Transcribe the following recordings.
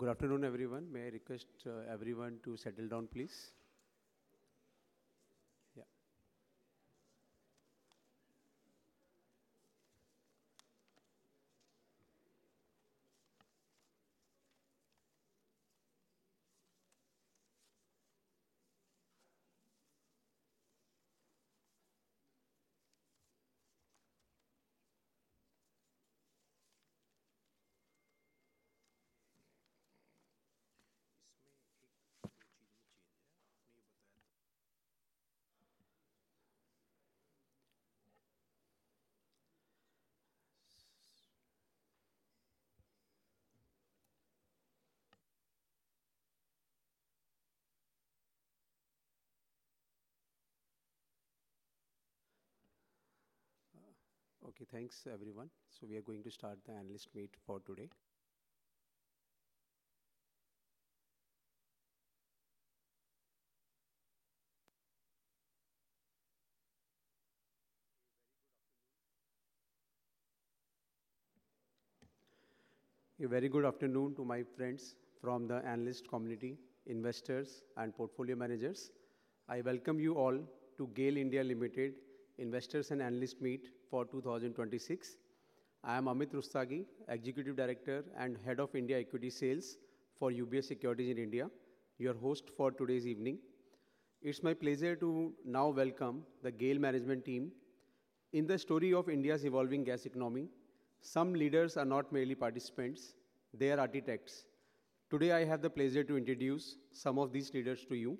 Good afternoon, everyone. May I request everyone to settle down, please? Thanks, everyone. We are going to start the analyst meet for today. A very good afternoon to my friends from the analyst community, investors, and portfolio managers. I welcome you all to GAIL Limited Investors and Analyst Meet for 2026. I am Amit Rustagi, Executive Director and Head of India Equity Sales for UBS Securities India, your host for today's evening. It's my pleasure to now welcome the GAIL management team. In the story of India's evolving gas economy, some leaders are not merely participants, they are architects. Today, I have the pleasure to introduce some of these leaders to you.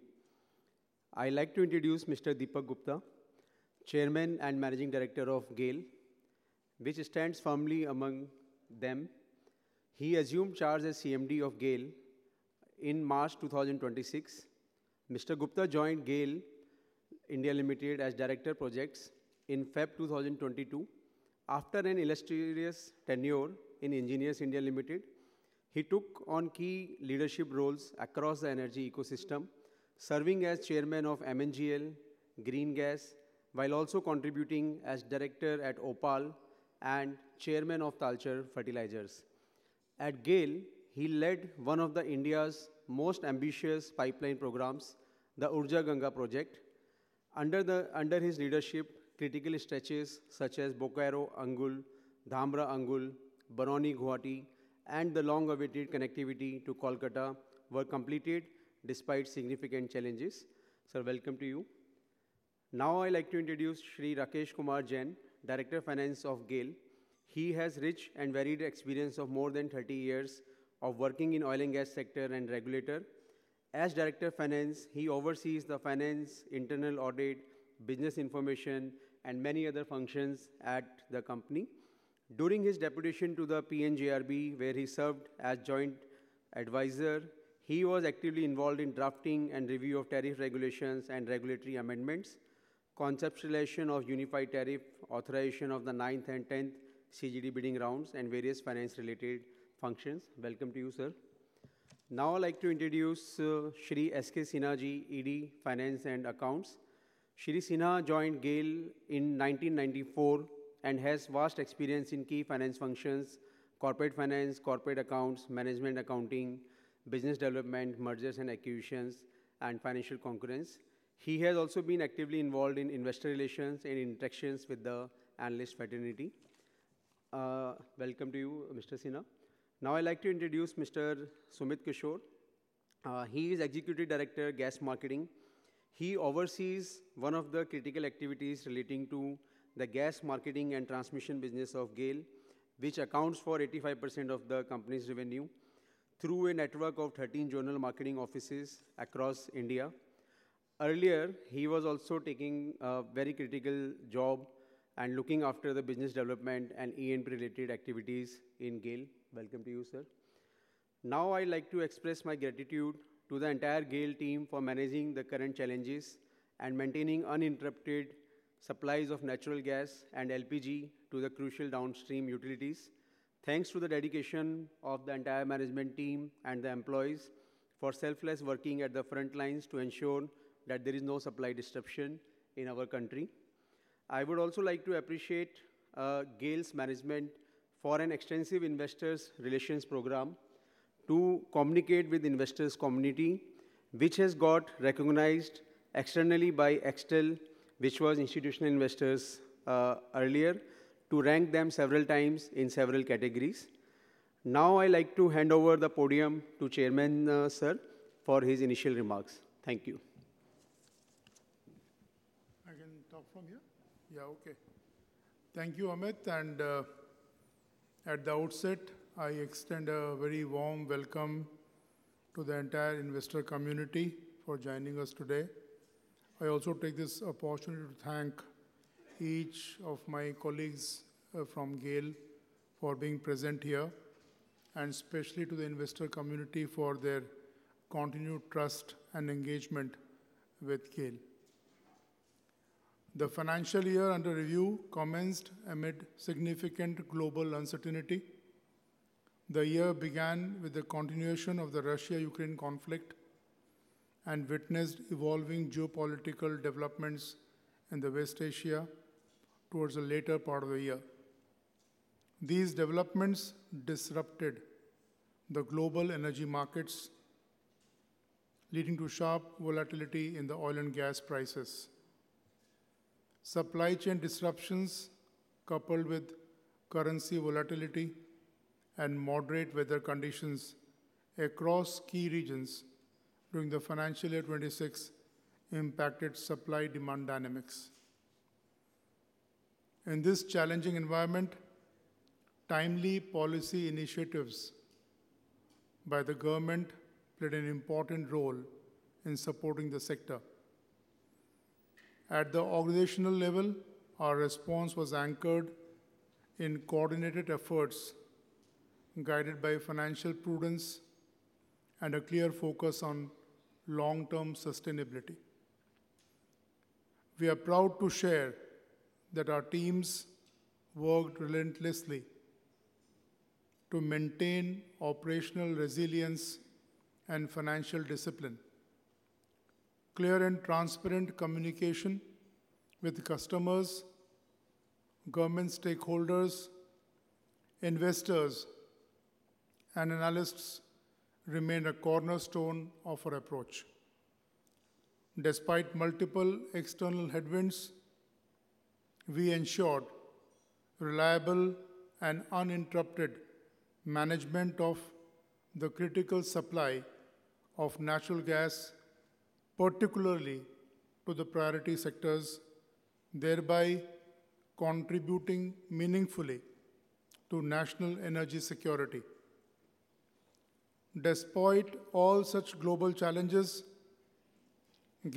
I'd like to introduce Mr. Deepak Gupta, Chairman and Managing Director of GAIL, which stands firmly among them. He assumed charge as CMD of GAIL in March 2026. Mr. Gupta joined GAIL Limited as Director, Projects in February 2022. After an illustrious tenure in Engineers India Limited, he took on key leadership roles across the energy ecosystem, serving as Chairman of MNGL Green Gas, while also contributing as Director at OPAL and Chairman of Talcher Fertilisers. At GAIL, he led one of India's most ambitious pipeline programs, the Urja Ganga project. Under his leadership, critical stretches such as Bokaro-Angul, Dhamra-Angul, Barauni-Guwahati, and the long-awaited connectivity to Kolkata were completed despite significant challenges. Sir, welcome to you. Now I'd like to introduce Rakesh Kumar Jain, Director, Finance of GAIL. He has rich and varied experience of more than 30 years of working in oil and gas sector and regulator. As Director, Finance, he oversees the finance, internal audit, business information, and many other functions at the company. During his deputation to the PNGRB, where he served as Joint Advisor, he was actively involved in drafting and review of tariff regulations and regulatory amendments, conceptualization of unified tariff, authorization of the ninth and tenth CGD bidding rounds, and various finance-related functions. Welcome to you, sir. Now I'd like to introduce Shri S.K. Sinha, Executive Director, Finance and Accounts. Shri Sinha joined GAIL in 1994 and has vast experience in key finance functions, corporate finance, corporate accounts, management accounting, business development, mergers and acquisitions, and financial concurrence. He has also been actively involved in investor relations and interactions with the analyst fraternity. Welcome to you, Mr. Sinha. Now I'd like to introduce Mr. Sumit Kishore. He is Executive Director, Gas Marketing. He oversees one of the critical activities relating to the gas marketing and transmission business of GAIL, which accounts for 85% of the company's revenue through a network of 13 zonal general marketing offices across India. Earlier, he was also taking a very critical job and looking after the business development and AM-related activities in GAIL. Welcome to you, sir. Now I'd like to express my gratitude to the entire GAIL team for managing the current challenges and maintaining uninterrupted supplies of natural gas and LPG to the crucial downstream utilities. Thanks to the dedication of the entire management team and the employees for selfless working at the front lines to ensure that there is no supply disruption in our country. I would also like to appreciate GAIL's management for an extensive investors relations program to communicate with investors community, which has got recognized externally by Extel, which was institutional investors earlier, to rank them several times in several categories. I'd like to hand over the podium to Chairman, sir, for his initial remarks. Thank you. I can talk from here? Yeah, okay. Thank you, Amit. At the outset, I extend a very warm welcome to the entire investor community for joining us today. I also take this opportunity to thank each of my colleagues from GAIL for being present here, especially to the investor community for their continued trust and engagement with GAIL. The financial year under review commenced amid significant global uncertainty. The year began with the continuation of the Russia-Ukraine conflict and witnessed evolving geopolitical developments in West Asia towards the later part of the year. These developments disrupted the global energy markets, leading to sharp volatility in the oil and gas prices. Supply chain disruptions, coupled with currency volatility and moderate weather conditions across key regions during the financial year 2026, impacted supply-demand dynamics. In this challenging environment, timely policy initiatives by the government played an important role in supporting the sector. At the organizational level, our response was anchored in coordinated efforts guided by financial prudence and a clear focus on long-term sustainability. We are proud to share that our teams worked relentlessly to maintain operational resilience and financial discipline. Clear and transparent communication with customers, government stakeholders, investors, and analysts remained a cornerstone of our approach. Despite multiple external headwinds, we ensured reliable and uninterrupted management of the critical supply of natural gas, particularly to the priority sectors, thereby contributing meaningfully to national energy security. Despite all such global challenges,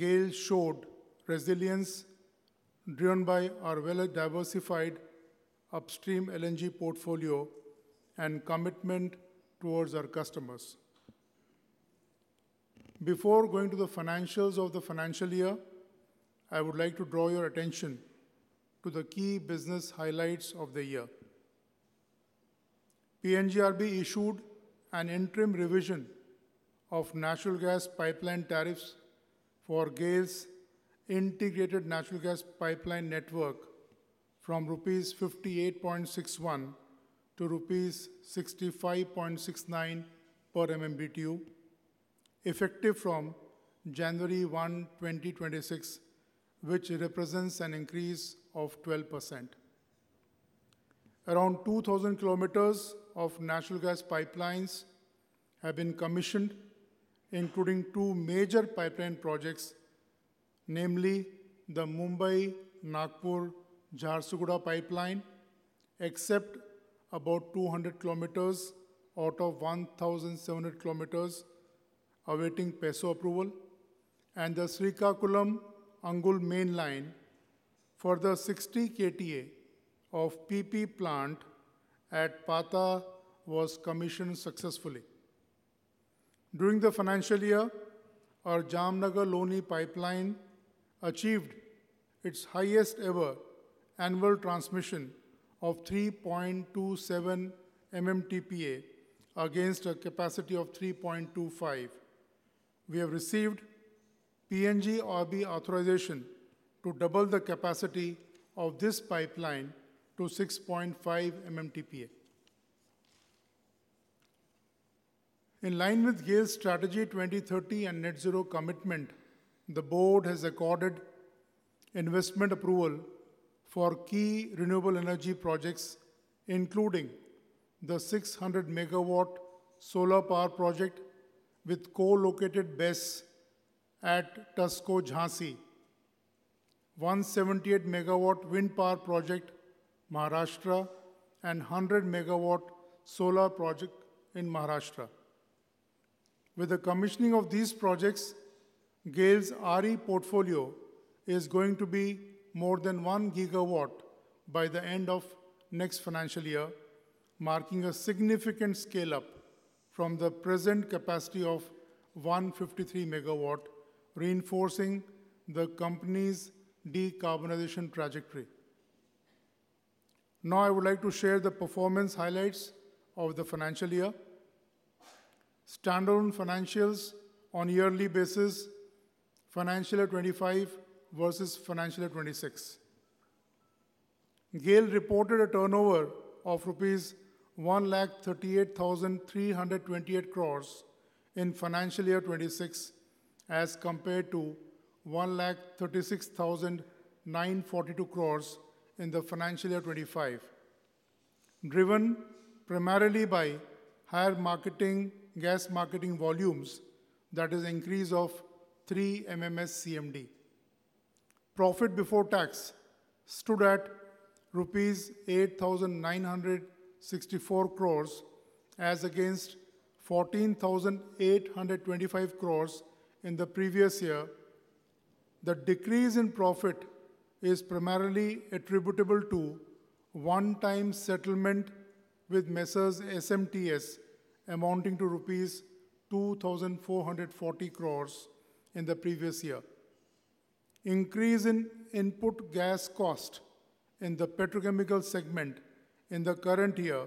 GAIL showed resilience driven by our well-diversified upstream LNG portfolio and commitment towards our customers. Before going to the financials of the financial year, I would like to draw your attention to the key business highlights of the year. PNGRB issued an interim revision of natural gas pipeline tariffs for GAIL's integrated natural gas pipeline network from rupees 58.61 - rupees 65.69 per MMBtu, effective from January 1, 2026, which represents an increase of 12%. Around 2,000 km of natural gas pipelines have been commissioned, including two major pipeline projects, namely the Mumbai-Nagpur-Jharsuguda Pipeline, except about 200 km out of 1,700 km, awaiting PESO approval, and the Srikakulam-Angul main line for the 60 KTA of PP plant at Pata was commissioned successfully. During the financial year, our Jamnagar-Loni pipeline achieved its highest ever annual transmission of 3.27 MMTPA against a capacity of 3.25. We have received PNGRB authorization to double the capacity of this pipeline to 6.5 MMTPA. In line with GAIL's Strategy 2030 and Net Zero commitment, the board has accorded investment approval for key renewable energy projects, including the 600 MW solar power project with co-located base at TUSCO, Jhansi, 178 MW wind power project, Maharashtra, and 100 MW solar project in Maharashtra. With the commissioning of these projects, GAIL's RE portfolio is going to be more than 1 GW by the end of next financial year, marking a significant scale-up from the present capacity of 153 MW, reinforcing the company's decarbonization trajectory. I would like to share the performance highlights of the financial year. Stand-alone financials on a yearly basis, FY 2025 versus FY 2026. GAIL reported a turnover of rupees 138,328 crore in FY 2026 as compared to 136,942 crore in the FY 2025. Driven primarily by higher gas marketing volumes, that is increase of 3 MMSCMD. Profit before tax stood at rupees 8,964 crore as against 14,825 crore in the previous year. The decrease in profit is primarily attributable to one-time settlement with Messrs SMTS amounting to rupees 2,440 crore in the previous year. Increase in input gas cost in the petrochemical segment in the current year,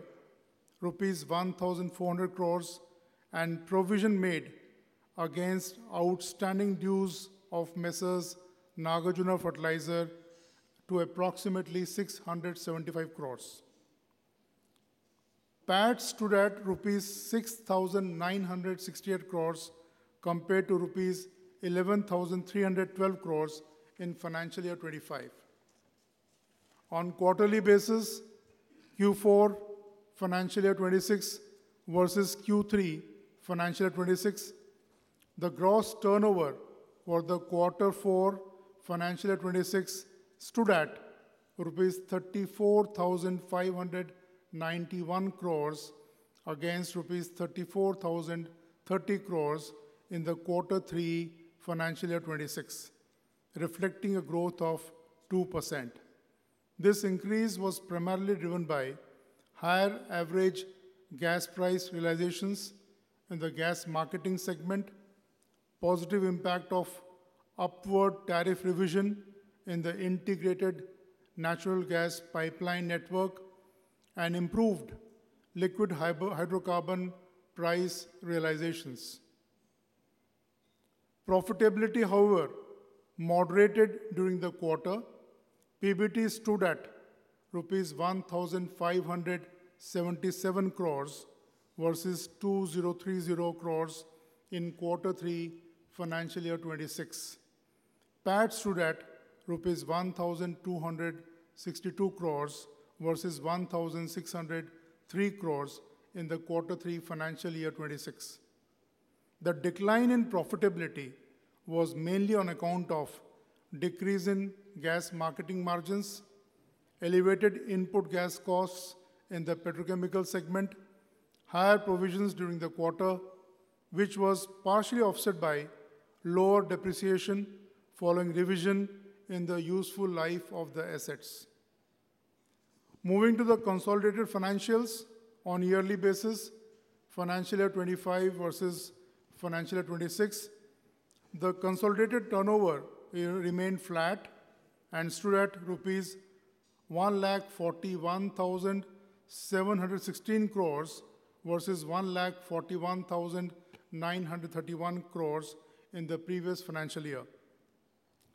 rupees 1,400 crore and provision made against outstanding dues of Messrs Nagarjuna Fertilizers to approximately 675 crore. PAT stood at rupees 6,968 crore compared to rupees 11,312 crore in financial year 2025. On quarterly basis, Q4 financial year 2026 versus Q3 financial year 2026, the gross turnover for the quarter four financial year 2026 stood at rupees 34,591 crore against rupees 34,030 crore in the quarter three financial year 2026, reflecting a growth of 2%. This increase was primarily driven by higher average gas price realizations in the gas marketing segment, positive impact of upward tariff revision in the integrated natural gas pipeline network, and improved liquid hydrocarbon price realizations. Profitability, however, moderated during the quarter. PBT stood at rupees 1,577 crores versus 2,030 crores in quarter three FY 2026. PAT stood at rupees 1,262 crores versus 1,603 crores in the quarter three FY 2026. The decline in profitability was mainly on account of decrease in gas marketing margins, elevated input gas costs in the petrochemical segment, higher provisions during the quarter, which was partially offset by lower depreciation following revision in the useful life of the assets. Moving to the consolidated financials on a yearly basis, FY 2025 versus FY 2026, the consolidated turnover remained flat and stood at rupees 141,716 crores versus 141,931 crores in the previous financial year.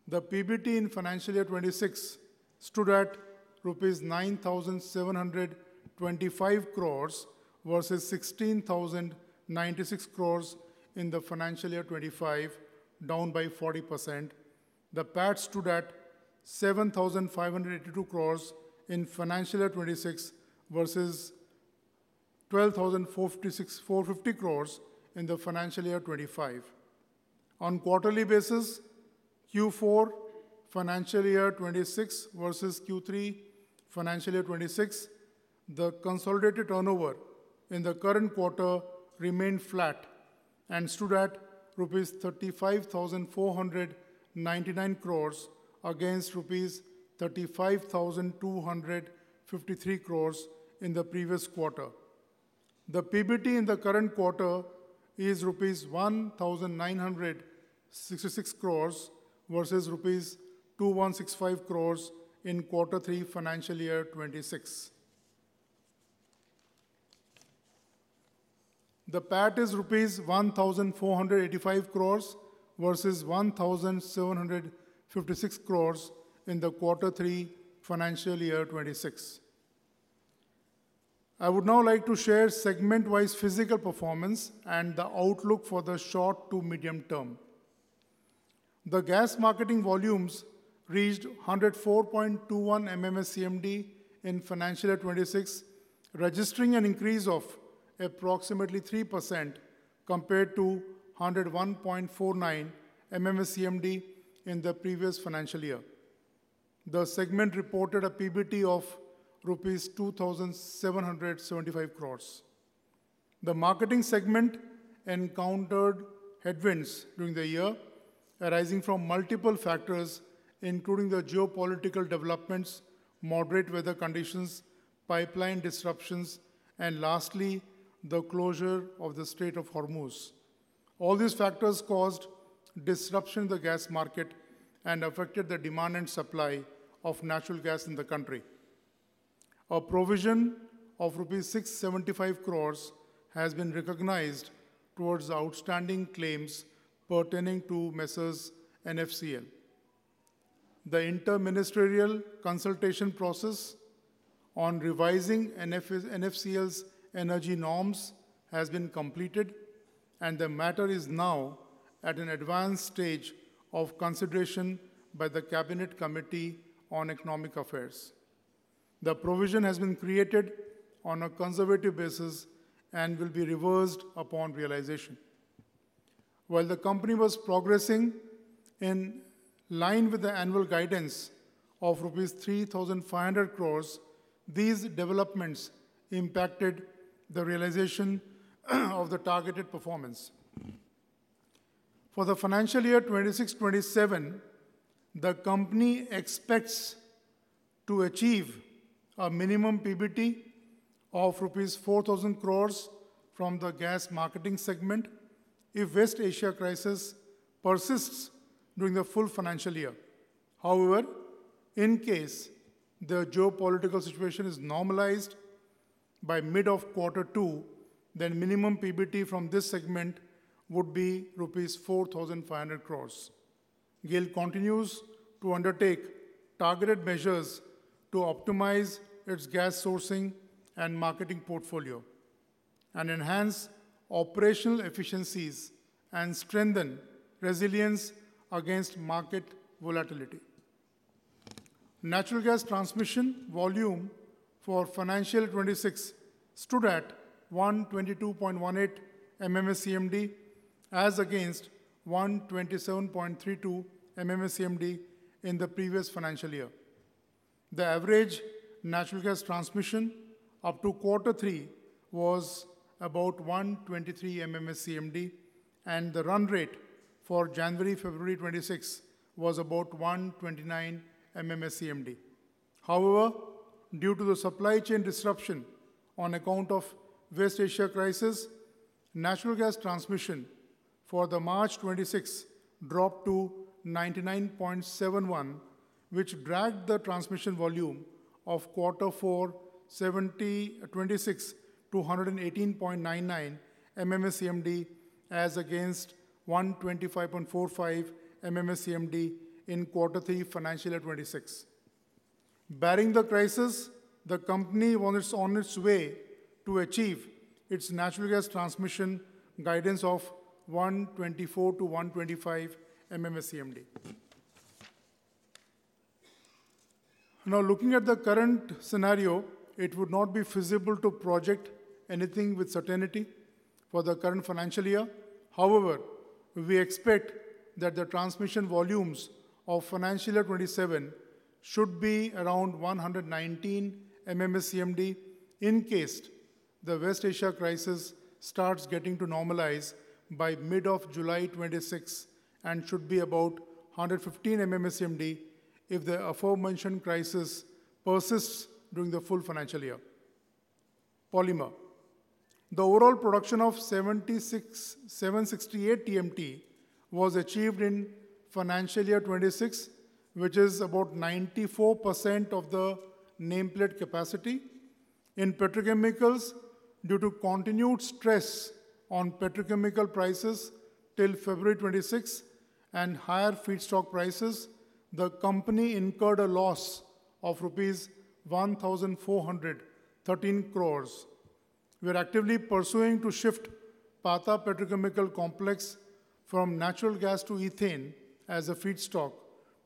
The PBT in FY 2026 stood at rupees 9,725 crores versus 16,096 crores in FY 2025, down by 40%. The PAT stood at 7,582 crores in FY 2026 versus 12,450 crores in FY 2025. On quarterly basis, Q4 FY 2026 versus Q3 FY 2026, the consolidated turnover in the current quarter remained flat and stood at rupees 35,499 crores against rupees 35,253 crores in the previous quarter. The PBT in the current quarter is rupees 1,966 crores versus rupees 2,165 crores in Q3 FY 2026. The PAT is rupees 1,485 crores versus 1,756 crores in Q3 FY 2026. I would now like to share segment-wise physical performance and the outlook for the short to medium term. The gas marketing volumes reached 104.21 MMSCMD in FY 2026, registering an increase of approximately 3% compared to 101.49 MMSCMD in the previous financial year. The segment reported a PBT of rupees 2,775 crores. The marketing segment encountered headwinds during the year arising from multiple factors, including the geopolitical developments, moderate weather conditions, pipeline disruptions, and lastly, the closure of the Strait of Hormuz. All these factors caused disruption in the gas market and affected the demand and supply of natural gas in the country. A provision of 675 crores rupees has been recognized towards outstanding claims pertaining to Messrs NFCL. The interministerial consultation process on revising NFCL's energy norms has been completed, and the matter is now at an advanced stage of consideration by the Cabinet Committee on Economic Affairs. The provision has been created on a conservative basis and will be reversed upon realization. While the company was progressing in line with the annual guidance of 3,500 crores rupees, these developments impacted the realization of the targeted performance. For the financial year 2026/2027, the company expects to achieve a minimum PBT of 4,000 crores rupees from the gas marketing segment if West Asia crisis persists during the full financial year. However, in case the geopolitical situation is normalized by mid of Quarter 2, then minimum PBT from this segment would be rupees 4,500 crores. GAIL continues to undertake targeted measures to optimize its gas sourcing and marketing portfolio and enhance operational efficiencies and strengthen resilience against market volatility. Natural gas transmission volume for Financial 2026 stood at 122.18 MMSCMD, as against 127.32 MMSCMD in the previous financial year. The average natural gas transmission up to Quarter 3 was about 123 MMSCMD, and the run rate for January-February 2026 was about 129 MMSCMD. However, due to the supply chain disruption on account of West Asia crisis, natural gas transmission for the March 2026 dropped to 99.71, which dragged the transmission volume of Quarter 4 FY 26 to 118.99 MMSCMD as against 125.45 MMSCMD in Quarter 3 Financial Year 2026. Barring the crisis, the company was on its way to achieve its natural gas transmission guidance of 124-125 MMSCMD. Now looking at the current scenario, it would not be feasible to project anything with certainty for the current Financial Year. However, we expect that the transmission volumes of Financial Year 2027 should be around 119 MMSCMD in case the West Asia crisis starts getting to normalize by mid of July 2026, and should be about 115 MMSCMD if the aforementioned crisis persists during the full Financial Year. Polymer. The overall production of 768 TMT was achieved in FY 2026, which is about 94% of the nameplate capacity. In petrochemicals, due to continued stress on petrochemical prices till February 2026 and higher feedstock prices, the company incurred a loss of rupees 1,413 crore. We're actively pursuing to shift Pata Petrochemical Complex from natural gas to ethane as a feedstock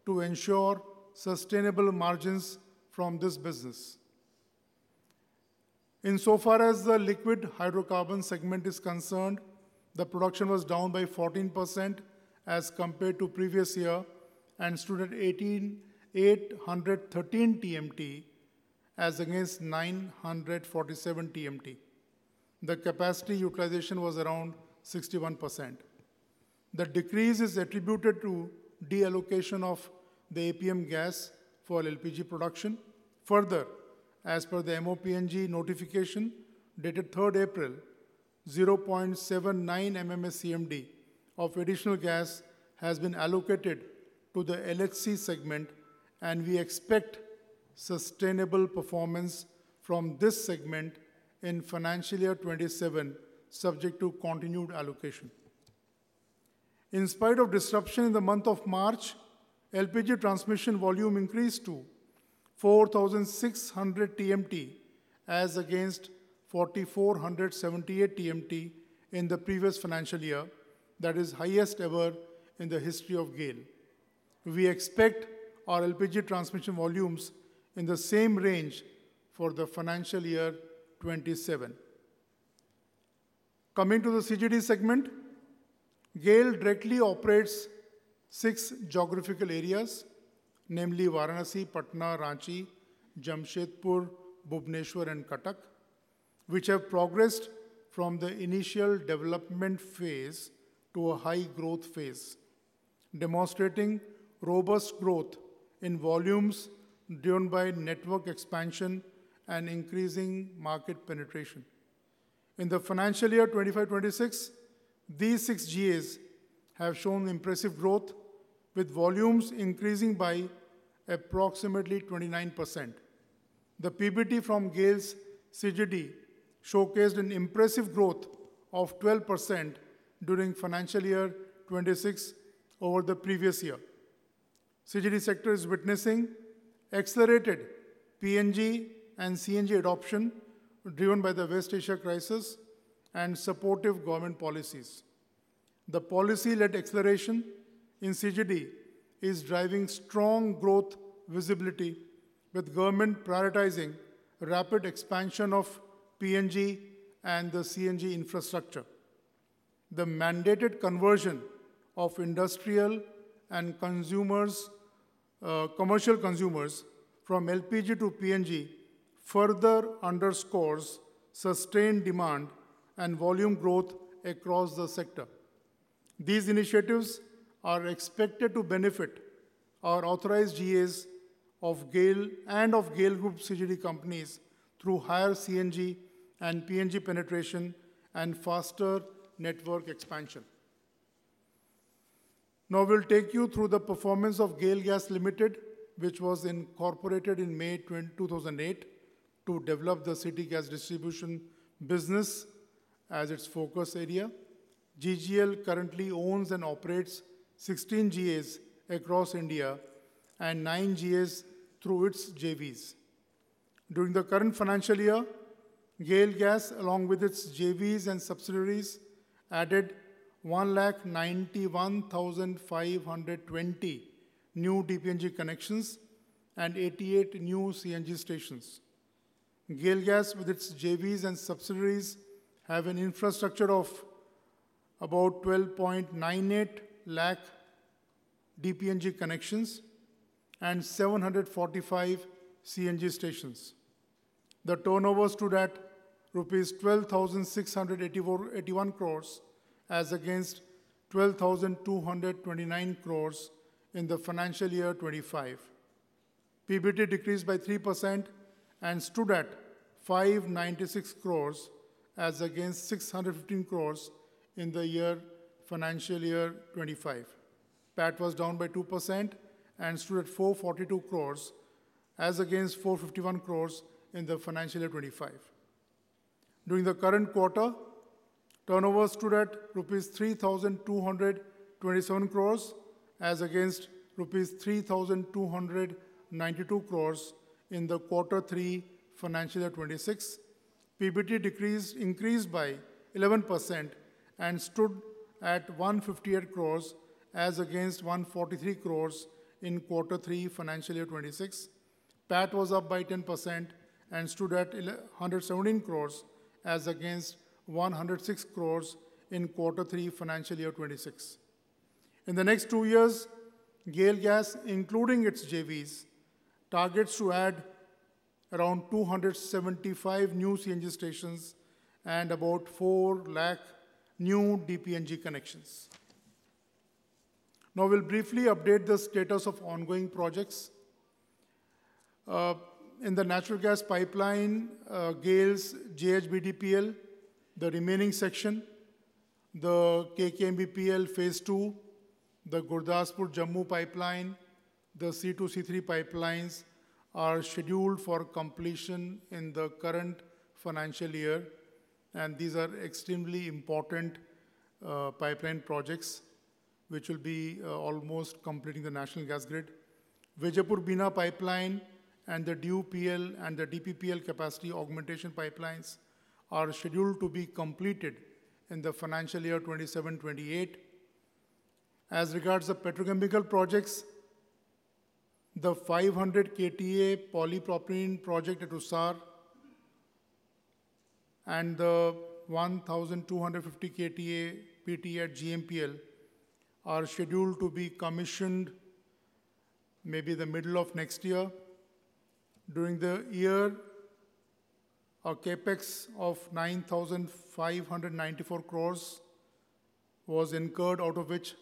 to ensure sustainable margins from this business. Insofar as the liquid hydrocarbon segment is concerned, the production was down by 14% as compared to previous year and stood at 813 TMT as against 947 TMT. The capacity utilization was around 61%. The decrease is attributed to deallocation of the APM gas for LPG production. Further, as per the MoPNG notification dated 3rd April, 0.79 MMSCMD of additional gas has been allocated to the LHC segment, and we expect sustainable performance from this segment in Financial Year 2027, subject to continued allocation. In spite of disruption in the month of March, LPG transmission volume increased to 4,600 TMT as against 4,478 TMT in the previous financial year. That is highest ever in the history of GAIL. We expect our LPG transmission volumes in the same range for the Financial Year 2027. Coming to the CGD segment, GAIL directly operates six geographical areas, namely Varanasi, Patna, Ranchi, Jamshedpur, Bhubaneswar, and Cuttack, which have progressed from the initial development phase to a high growth phase, demonstrating robust growth in volumes driven by network expansion and increasing market penetration. In the Financial Year 2025/2026, these six GAs have shown impressive growth, with volumes increasing by approximately 29%. The PBT from GAIL's CGD showcased an impressive growth of 12% during FY 2026 over the previous year. CGD sector is witnessing accelerated PNG and CNG adoption driven by the West Asia crisis and supportive government policies. The policy-led acceleration in CGD is driving strong growth visibility with government prioritizing rapid expansion of PNG and the CNG infrastructure. The mandated conversion of industrial and commercial consumers from LPG to PNG further underscores sustained demand and volume growth across the sector. These initiatives are expected to benefit our authorized GAs of GAIL and of GAIL Group CGD companies through higher CNG and PNG penetration and faster network expansion. I will take you through the performance of GAIL Gas Limited, which was incorporated in May 2008 to develop the city gas distribution business as its focus area. GGL currently owns and operates 16 GAs across India and 9 GAs through its JVs. During the current financial year, GAIL Gas, along with its JVs and subsidiaries, added 191,520 new DPNG connections and 88 new CNG stations. GAIL Gas, with its JVs and subsidiaries, have an infrastructure of about 12.98 lakh DPNG connections and 745 CNG stations. The turnover stood at rupees 12,681 crores as against 12,229 crores in the FY 2025. PBT decreased by 3% and stood at 596 crores as against 615 crores in the FY 2025. PAT was down by 2% and stood at 442 crores as against 451 crores in the FY 2025. During the current quarter, turnover stood at rupees 3,227 crores as against rupees 3,292 crores in the Quarter 3, FY 2026. PBT increased by 11% and stood at Rs. 158 crore as against 143 crore in Quarter 3, financial year 2026. PAT was up by 10% and stood at 117 crore as against 106 crore in Quarter 3, financial year 2026. In the next two years, GAIL Gas, including its JVs, targets to add around 275 new CNG stations and about 4 lakh new DPNG connections. I'll briefly update the status of ongoing projects. In the natural gas pipeline, GAIL's JHBDPL, the remaining section, the KKBMPL phase II, the Gurdaspur-Jammu pipeline, the C2, C3 pipelines are scheduled for completion in the current financial year. These are extremely important pipeline projects which will be almost completing the national gas grid. Vijaipur-Bina pipeline and the DUPL and the DPPL capacity augmentation pipelines are scheduled to be completed in the financial year 2027/2028. As regards the petrochemical projects, the 500 KTA polypropylene project at Usar and the 1,250 KTA PTA at GMPL are scheduled to be commissioned maybe the middle of next year. During the year, a CapEx of 9,594 crores was incurred, out of which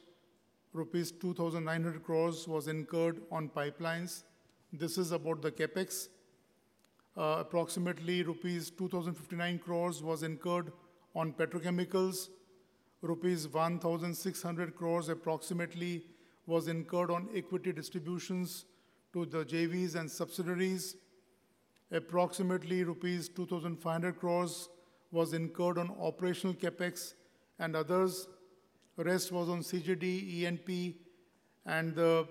rupees 2,900 crores was incurred on pipelines. This is about the CapEx. Approximately rupees 2,059 crores was incurred on petrochemicals, rupees 1,600 crores approximately was incurred on equity distributions to the JVs and subsidiaries. Approximately rupees 2,500 crores was incurred on operational CapEx and others. The rest was on CGD, E&P and the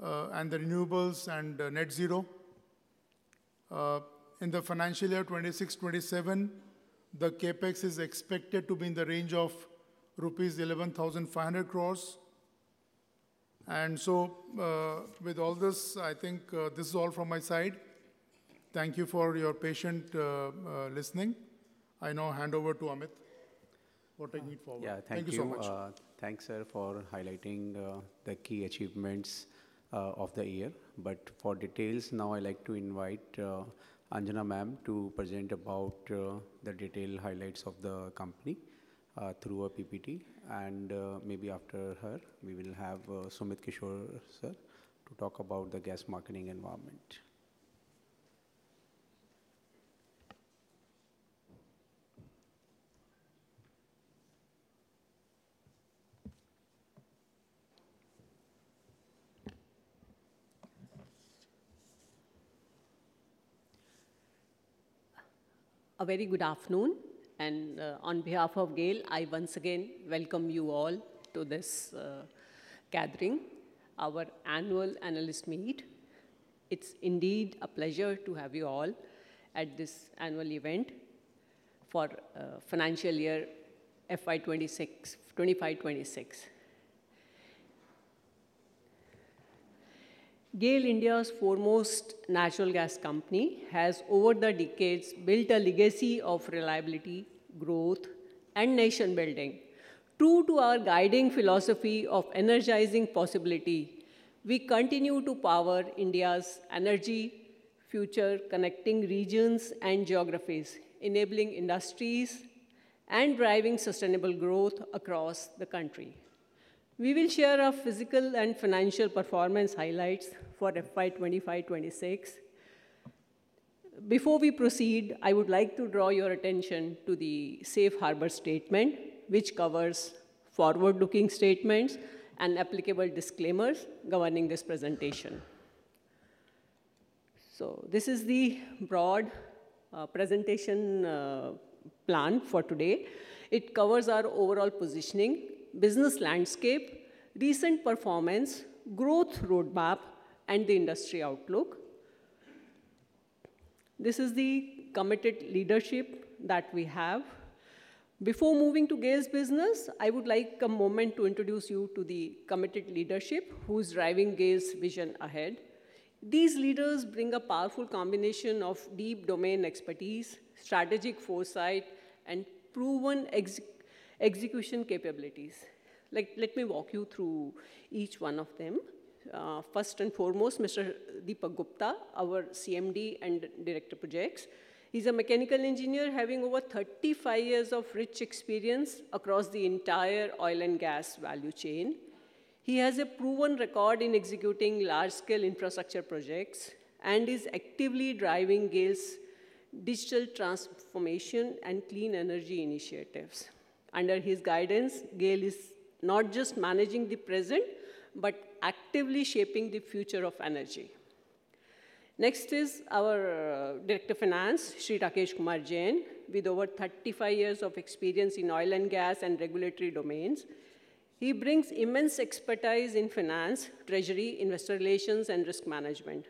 renewables and net zero. In the financial year 2026/2027, the CapEx is expected to be in the range of rupees 11,500 crores. With all this, I think this is all from my side. Thank you for your patient listening. I now hand over to Amit. What are we for? Thank you so much. Yeah. Thanks, sir, for highlighting the key achievements of the year. For details now, I'd like to invite Anjana ma'am to present about the detailed highlights of the company through a PPT. Maybe after her, we will have Sumit Kishore, sir, to talk about the gas marketing environment. A very good afternoon. On behalf of GAIL, I once again welcome you all to this gathering, our annual analyst meet. It's indeed a pleasure to have you all at this annual event for financial year FY 2025-2026. GAIL, India's foremost natural gas company, has over the decades built a legacy of reliability, growth, and nation building. True to our guiding philosophy of energizing possibility, we continue to power India's energy future, connecting regions and geographies, enabling industries and driving sustainable growth across the country. We will share our physical and financial performance highlights for FY 2025/2026. Before we proceed, I would like to draw your attention to the safe harbor statement, which covers forward-looking statements and applicable disclaimers governing this presentation. This is the broad presentation plan for today. It covers our overall positioning, business landscape, recent performance, growth roadmap, and the industry outlook. This is the committed leadership that we have. Before moving to GAIL's business, I would like a moment to introduce you to the committed leadership who is driving GAIL's vision ahead. These leaders bring a powerful combination of deep domain expertise, strategic foresight, and proven execution capabilities. Let me walk you through each one of them. First and foremost, Mr. Deepak Gupta, our CMD and Director Projects. He's a mechanical engineer having over 35 years of rich experience across the entire oil and gas value chain. He has a proven record in executing large-scale infrastructure projects and is actively driving GAIL's digital transformation and clean energy initiatives. Under his guidance, GAIL is not just managing the present, but actively shaping the future of energy. Next is our Director Finance, Shri Rakesh Kumar Jain, with over 35 years of experience in oil and gas and regulatory domains. He brings immense expertise in finance, treasury, investor relations, and risk management.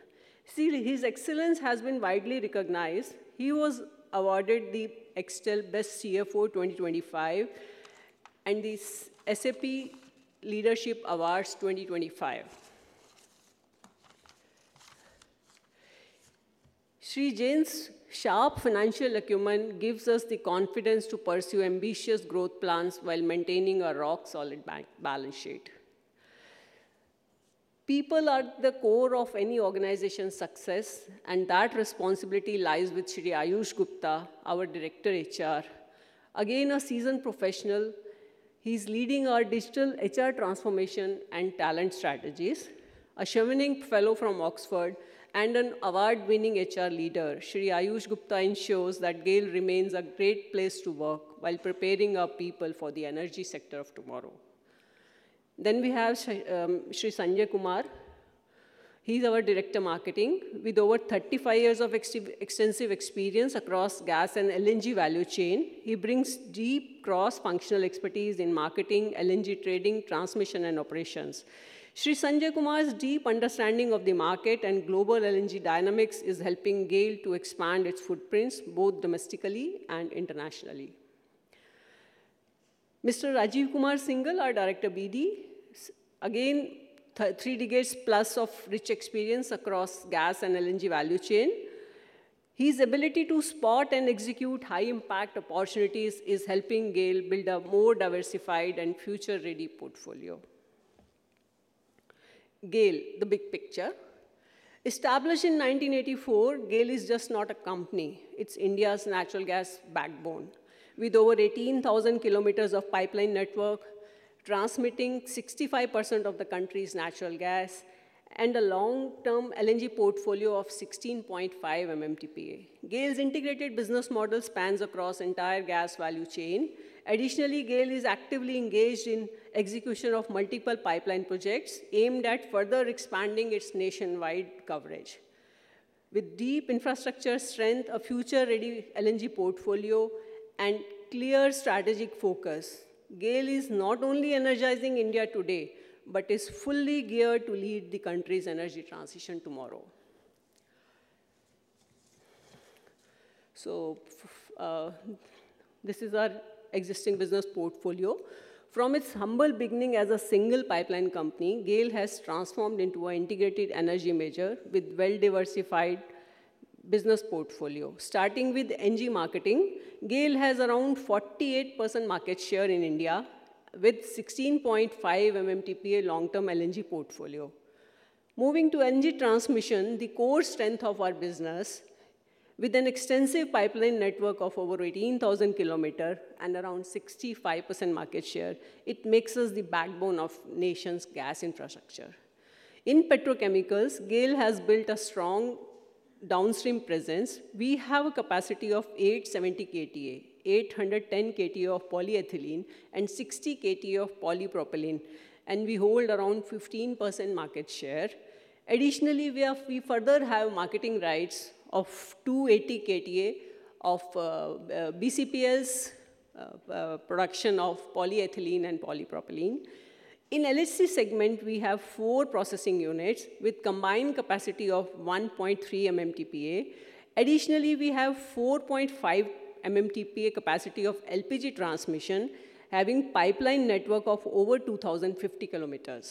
Shri, his excellence has been widely recognized. He was awarded the Extel best CFO 2025 and the SAP Leadership Awards 2025. Shri Jain's sharp financial acumen gives us the confidence to pursue ambitious growth plans while maintaining a rock-solid balance sheet. People are at the core of any organization's success, and that responsibility lies with Shri Ayush Gupta, our Director HR. A seasoned professional, he's leading our digital HR transformation and talent strategies. A Chevening fellow from Oxford and an award-winning HR leader, Shri Ayush Gupta ensures that GAIL remains a great place to work while preparing our people for the energy sector of tomorrow. We have Shri Sanjay Kumar. He's our Director Marketing. With over 35 years of extensive experience across gas and LNG value chain, he brings deep cross-functional expertise in marketing, LNG trading, transmission, and operations. Shri Sanjay Kumar's deep understanding of the market and global LNG dynamics is helping GAIL to expand its footprints both domestically and internationally. Mr. Rajeev Kumar Singhal, our Director BD. Again, three decades plus of rich experience across gas and LNG value chain. His ability to spot and execute high-impact opportunities is helping GAIL build a more diversified and future-ready portfolio. GAIL, the big picture. Established in 1984, GAIL is just not a company. It's India's natural gas backbone. With over 18,000 km of pipeline network, transmitting 65% of the country's natural gas and a long-term LNG portfolio of 16.5 MMtpa. GAIL's integrated business model spans across entire gas value chain. GAIL is actively engaged in execution of multiple pipeline projects aimed at further expanding its nationwide coverage. With deep infrastructure strength, a future-ready LNG portfolio, and clear strategic focus, GAIL is not only energizing India today, but is fully geared to lead the country's energy transition tomorrow. This is our existing business portfolio. From its humble beginning as a single pipeline company, GAIL has transformed into an integrated energy major with well-diversified business portfolio. Starting with energy marketing, GAIL has around 48% market share in India with 16.5 MMTPA long-term LNG portfolio. Moving to LNG transmission, the core strength of our business, with an extensive pipeline network of over 18,000 km and around 65% market share, it makes us the backbone of nation's gas infrastructure. In petrochemicals, GAIL has built a strong downstream presence. We have a capacity of 870 KTA, 810 KTA of polyethylene and 60 KTA of polypropylene, and we hold around 15% market share. Additionally, we further have marketing rights of 280 KTA of BCPL's production of polyethylene and polypropylene. In LPG segment, we have four processing units with combined capacity of 1.3 MMTPA. Additionally, we have 4.5 MMTPA capacity of LPG transmission, having pipeline network of over 2,050 km.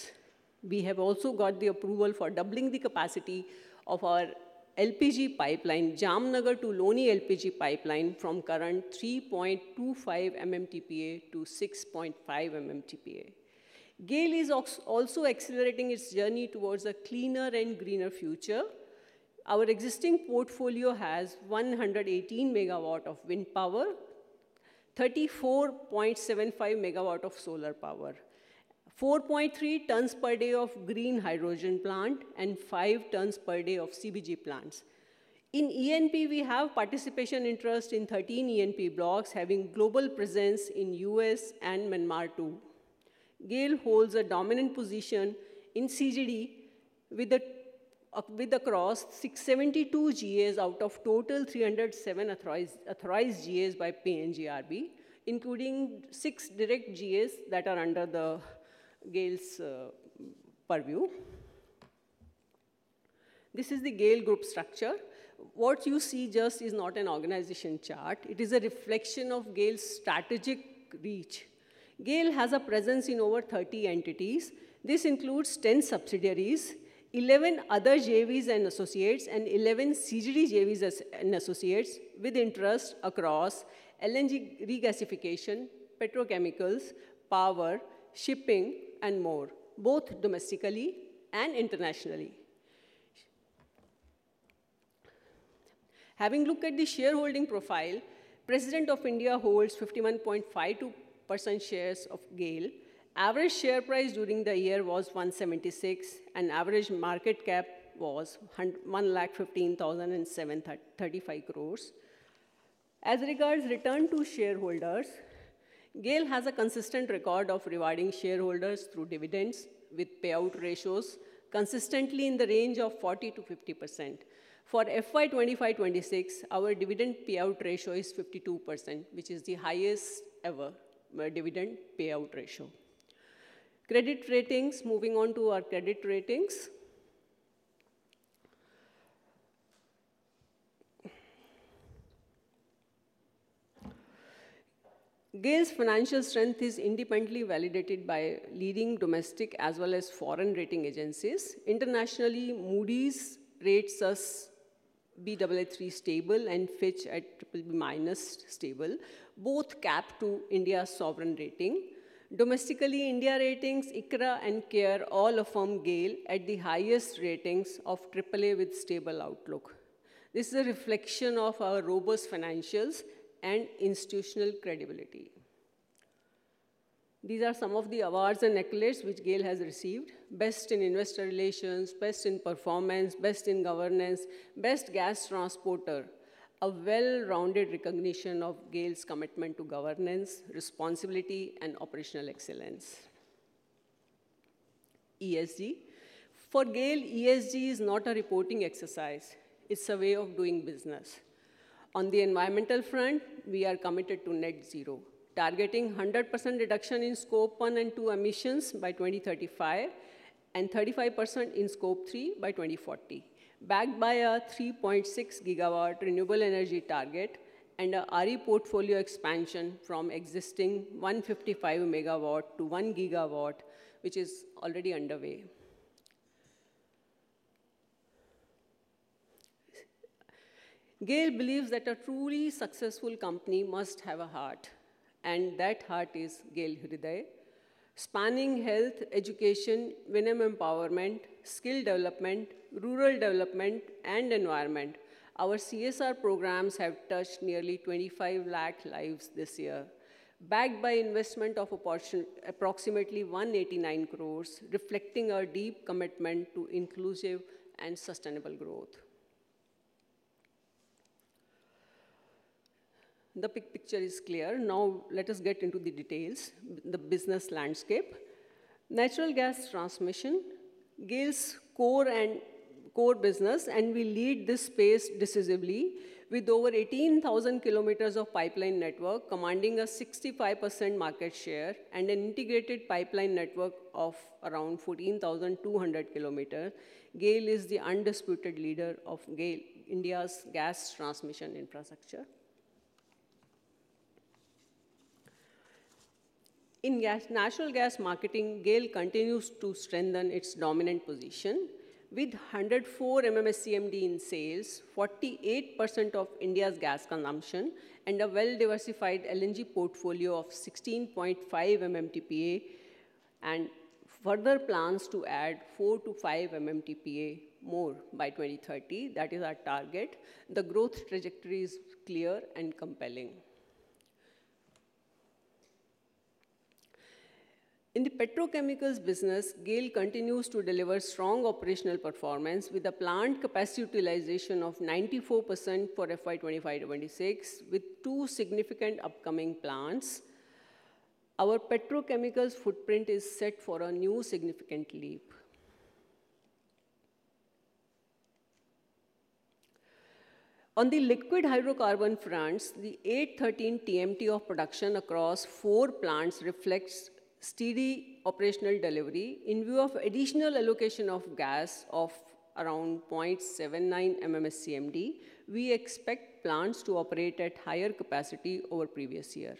We have also got the approval for doubling the capacity of our LPG pipeline, Jamnagar-Loni LPG pipeline from current 3.25 MMTPA - 6.5 MMTPA. GAIL is also accelerating its journey towards a cleaner and greener future. Our existing portfolio has 118 megawatt of wind power, 34.75 megawatt of solar power, 4.3 tons per day of green hydrogen plant, and five tons per day of CBG plants. In E&P, we have participation interest in 13 E&P blocks, having global presence in U.S. and Myanmar too. GAIL holds a dominant position in CGD with across 72 GAs out of total 307 authorized GAs by PNGRB, including six direct GAs that are under the GAIL's purview. This is the GAIL group structure. What you see just is not an organization chart, it is a reflection of GAIL's strategic reach. GAIL has a presence in over 30 entities. This includes 10 subsidiaries, 11 other JVs and associates, and 11 CGD JVs and associates with interest across LNG regasification, petrochemicals, power, shipping, and more, both domestically and internationally. Having looked at the shareholding profile, President of India holds 51.52% shares of GAIL. Average share price during the year was 176, and average market cap was 1,15,035 crores. As regards return to shareholders, GAIL has a consistent record of rewarding shareholders through dividends with payout ratios consistently in the range of 40%-50%. For FY 2025/2026, our dividend payout ratio is 52%, which is the highest ever dividend payout ratio. Credit ratings. Moving on to our credit ratings. GAIL's financial strength is independently validated by leading domestic as well as foreign rating agencies. Internationally, Moody's rates us BBB stable and Fitch at BBB- stable, both capped to India sovereign rating. Domestically, India Ratings, ICRA, and CARE all affirm GAIL at the highest ratings of AAA with stable outlook. This is a reflection of our robust financials and institutional credibility. These are some of the awards and accolades which GAIL has received. Best in investor relations, best in performance, best in governance, best gas transporter. A well-rounded recognition of GAIL's commitment to governance, responsibility, and operational excellence. ESG. For GAIL, ESG is not a reporting exercise, it's a way of doing business. On the environmental front, we are committed to net zero, targeting 100% reduction in Scope 1 and 2 emissions by 2035 and 35% in Scope 3 by 2040, backed by our 3.6 gigawatt renewable energy target and our RE portfolio expansion from existing 155 MW to 1 GW, which is already underway. GAIL believes that a truly successful company must have a heart, and that heart is GAIL Hriday. Spanning health, education, women empowerment, skill development, rural development, and environment, our CSR programs have touched nearly 25 lakh lives this year, backed by investment of approximately 189 crores, reflecting our deep commitment to inclusive and sustainable growth. The big picture is clear. Now, let us get into the details, the business landscape. Natural gas transmission, GAIL's core business, and we lead this space decisively with over 18,000 km of pipeline network commanding a 65% market share and an integrated pipeline network of around 14,200 km. GAIL is the undisputed leader of India's gas transmission infrastructure. In national gas marketing, GAIL continues to strengthen its dominant position with 104 MMSCMD in sales, 48% of India's gas consumption, and a well-diversified LNG portfolio of 16.5 MMTPA, and further plans to add 4-5 MMTPA more by 2030. That is our target. The growth trajectory is clear and compelling. In the petrochemicals business, GAIL continues to deliver strong operational performance with a plant capacity utilization of 94% for FY 2025/2026. With two significant upcoming plants, our petrochemicals footprint is set for a new significant leap. On the liquid hydrocarbon fronts, the 813 TMT of production across four plants reflects steady operational delivery. In view of additional allocation of gas of around 0.79 MMSCMD, we expect plants to operate at higher capacity over previous year.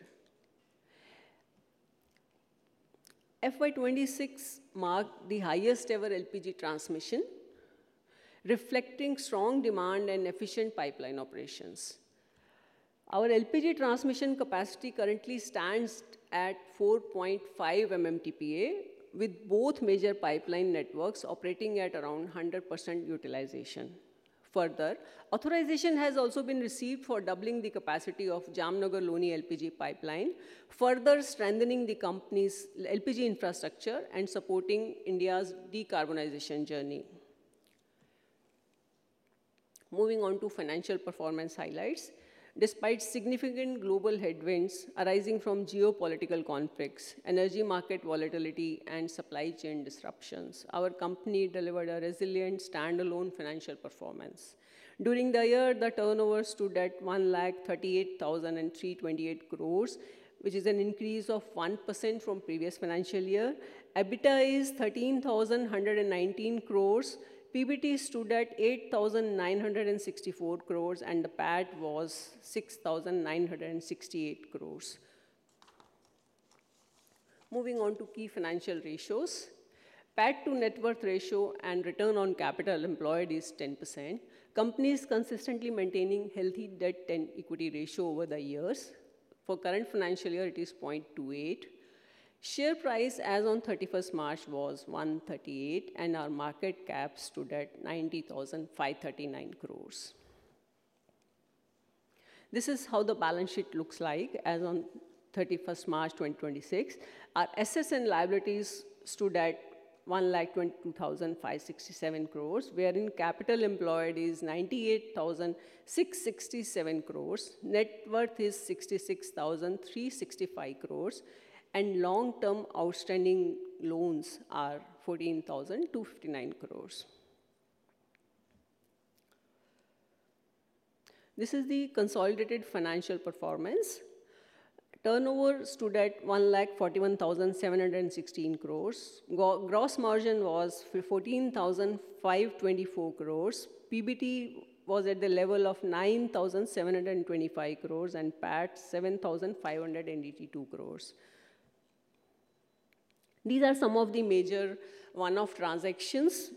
FY 2026 marked the highest ever LPG transmission, reflecting strong demand and efficient pipeline operations. Our LPG transmission capacity currently stands at 4.5 MMTPA, with both major pipeline networks operating at around 100% utilization. Authorization has also been received for doubling the capacity of Jamnagar-Loni LPG pipeline, further strengthening the company's LPG infrastructure and supporting India's decarbonization journey. Moving on to financial performance highlights. Despite significant global headwinds arising from geopolitical conflicts, energy market volatility, and supply chain disruptions, our company delivered a resilient standalone financial performance. During the year, the turnover stood at 138,328 crores, which is an increase of 1% from previous financial year. EBITDA is 13,119 crores. PBT stood at 8,964 crores. The PAT was 6,968 crores. Moving on to key financial ratios. PAT-to-net worth ratio and return on capital employed is 10%. Company is consistently maintaining healthy debt and equity ratio over the years. For current financial year, it is 0.28. Share price as on 31st March was 138, Our market cap stood at 90,539 crores. This is how the balance sheet looks like as on 31st March 2026. Our assets and liabilities stood at 122,567 crores, wherein capital employed is 98,667 crores, net worth is 66,365 crores, Long-term outstanding loans are 14,259 crores. This is the consolidated financial performance. Turnover stood at 141,716 crores. Gross margin was 14,524 crores. PBT was at the level of 9,725 crores PAT 7,582 crores. These are some of the major one-off transactions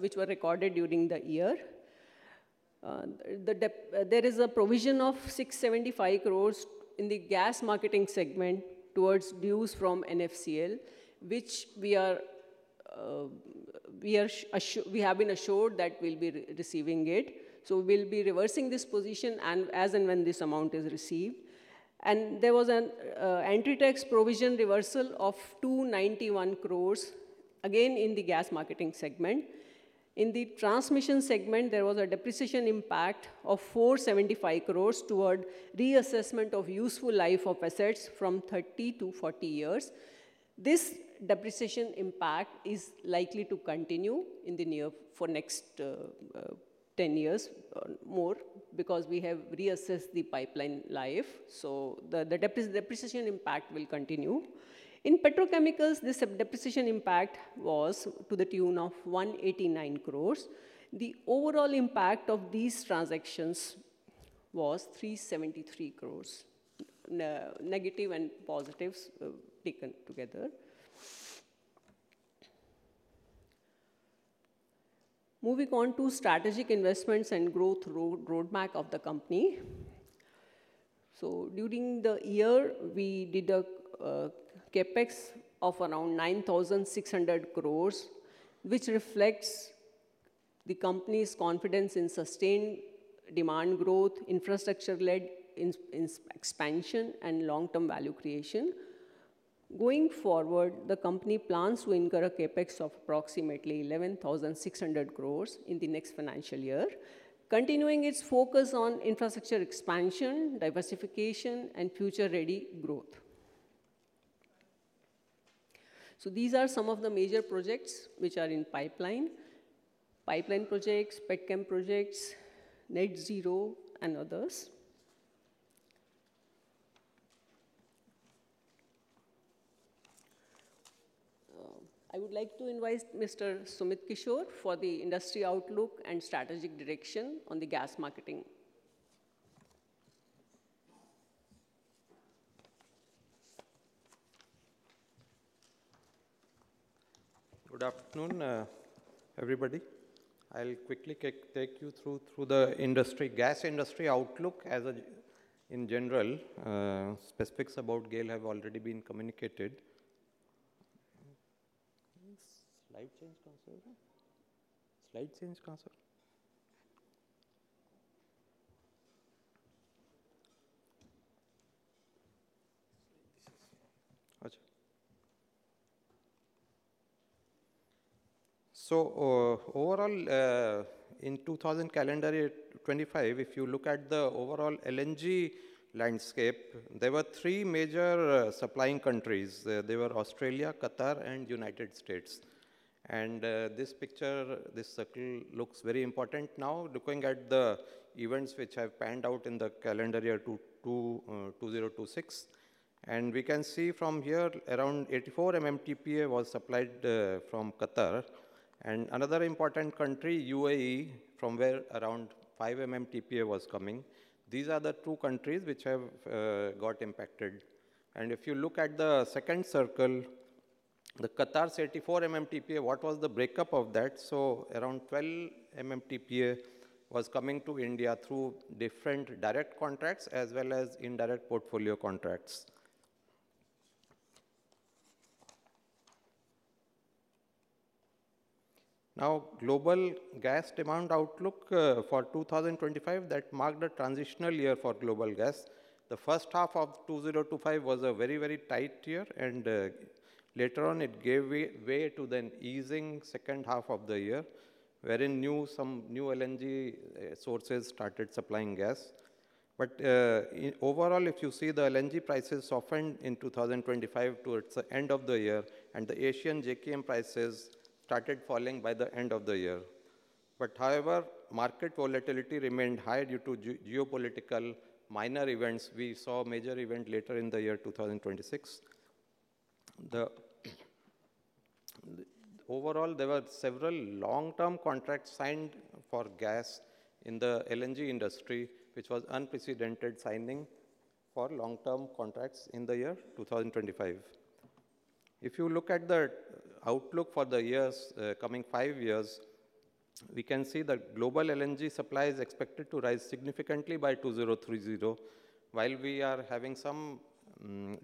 which were recorded during the year. There is a provision of 675 crore in the gas marketing segment towards dues from NFCL, which we have been assured that we'll be receiving it. So we'll be reversing this position as and when this amount is received. There was an entry tax provision reversal of 291 crore, again in the gas marketing segment. In the transmission segment, there was a depreciation impact of 475 crore toward reassessment of useful life of assets from 30 - 40 years. This depreciation impact is likely to continue for next 10 years or more because we have reassessed the pipeline life, so the depreciation impact will continue. In petrochemicals, this depreciation impact was to the tune of 189 crore. The overall impact of these transactions was 373 crore, negative and positives taken together. Moving on to strategic investments and growth roadmap of the company. During the year, we did a CapEx of around 9,600 crores, which reflects the company's confidence in sustained demand growth, infrastructure-led expansion, and long-term value creation. Going forward, the company plans to incur a CapEx of approximately 11,600 crores in the next financial year, continuing its focus on infrastructure expansion, diversification, and future-ready growth. These are some of the major projects which are in pipeline. Pipeline projects, petchem projects, Net Zero, and others. I would like to invite Mr. Sumit Kishore for the industry outlook and strategic direction on the gas marketing. Good afternoon, everybody. I'll quickly take you through the gas industry outlook in general. Specifics about GAIL have already been communicated. Slide change possible? Overall, in calendar year 2025, if you look at the overall LNG landscape, there were three major supplying countries. They were Australia, Qatar, and United States. This picture, this circle looks very important now, looking at the events which have panned out in the calendar year 2026. We can see from here, around 84 MMtpa was supplied from Qatar. Another important country, UAE, from where around five MMtpa was coming. These are the two countries which have got impacted. If you look at the second circle, the Qatar 84 MMtpa, what was the breakup of that? Around 12 MMTPA was coming to India through different direct contracts as well as indirect portfolio contracts. Global gas demand outlook for 2025 marked a transitional year for global gas. The first half of 2025 was a very tight year, and later on it gave way to then easing second half of the year, wherein some new LNG sources started supplying gas. Overall, if you see the LNG prices softened in 2025 towards the end of the year, and the Asian JKM prices started falling by the end of the year. However, market volatility remained high due to geopolitical minor events. We saw a major event later in the year 2026. Overall, there were several long-term contracts signed for gas in the LNG industry, which was unprecedented signing for long-term contracts in the year 2025. If you look at the outlook for the coming five years, we can see that global LNG supply is expected to rise significantly by 2030. While we are having some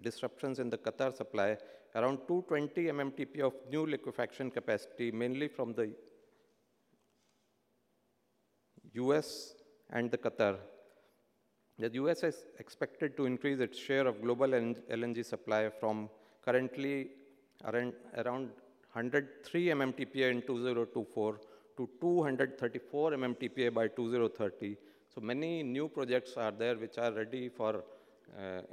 disruptions in the Qatar supply, around 220 MMTPA of new liquefaction capacity, mainly from the U.S. and Qatar. The U.S. is expected to increase its share of global LNG supply from currently around 103 MMTPA in 2024 - 234 MMTPA by 2030. Many new projects are there which are ready for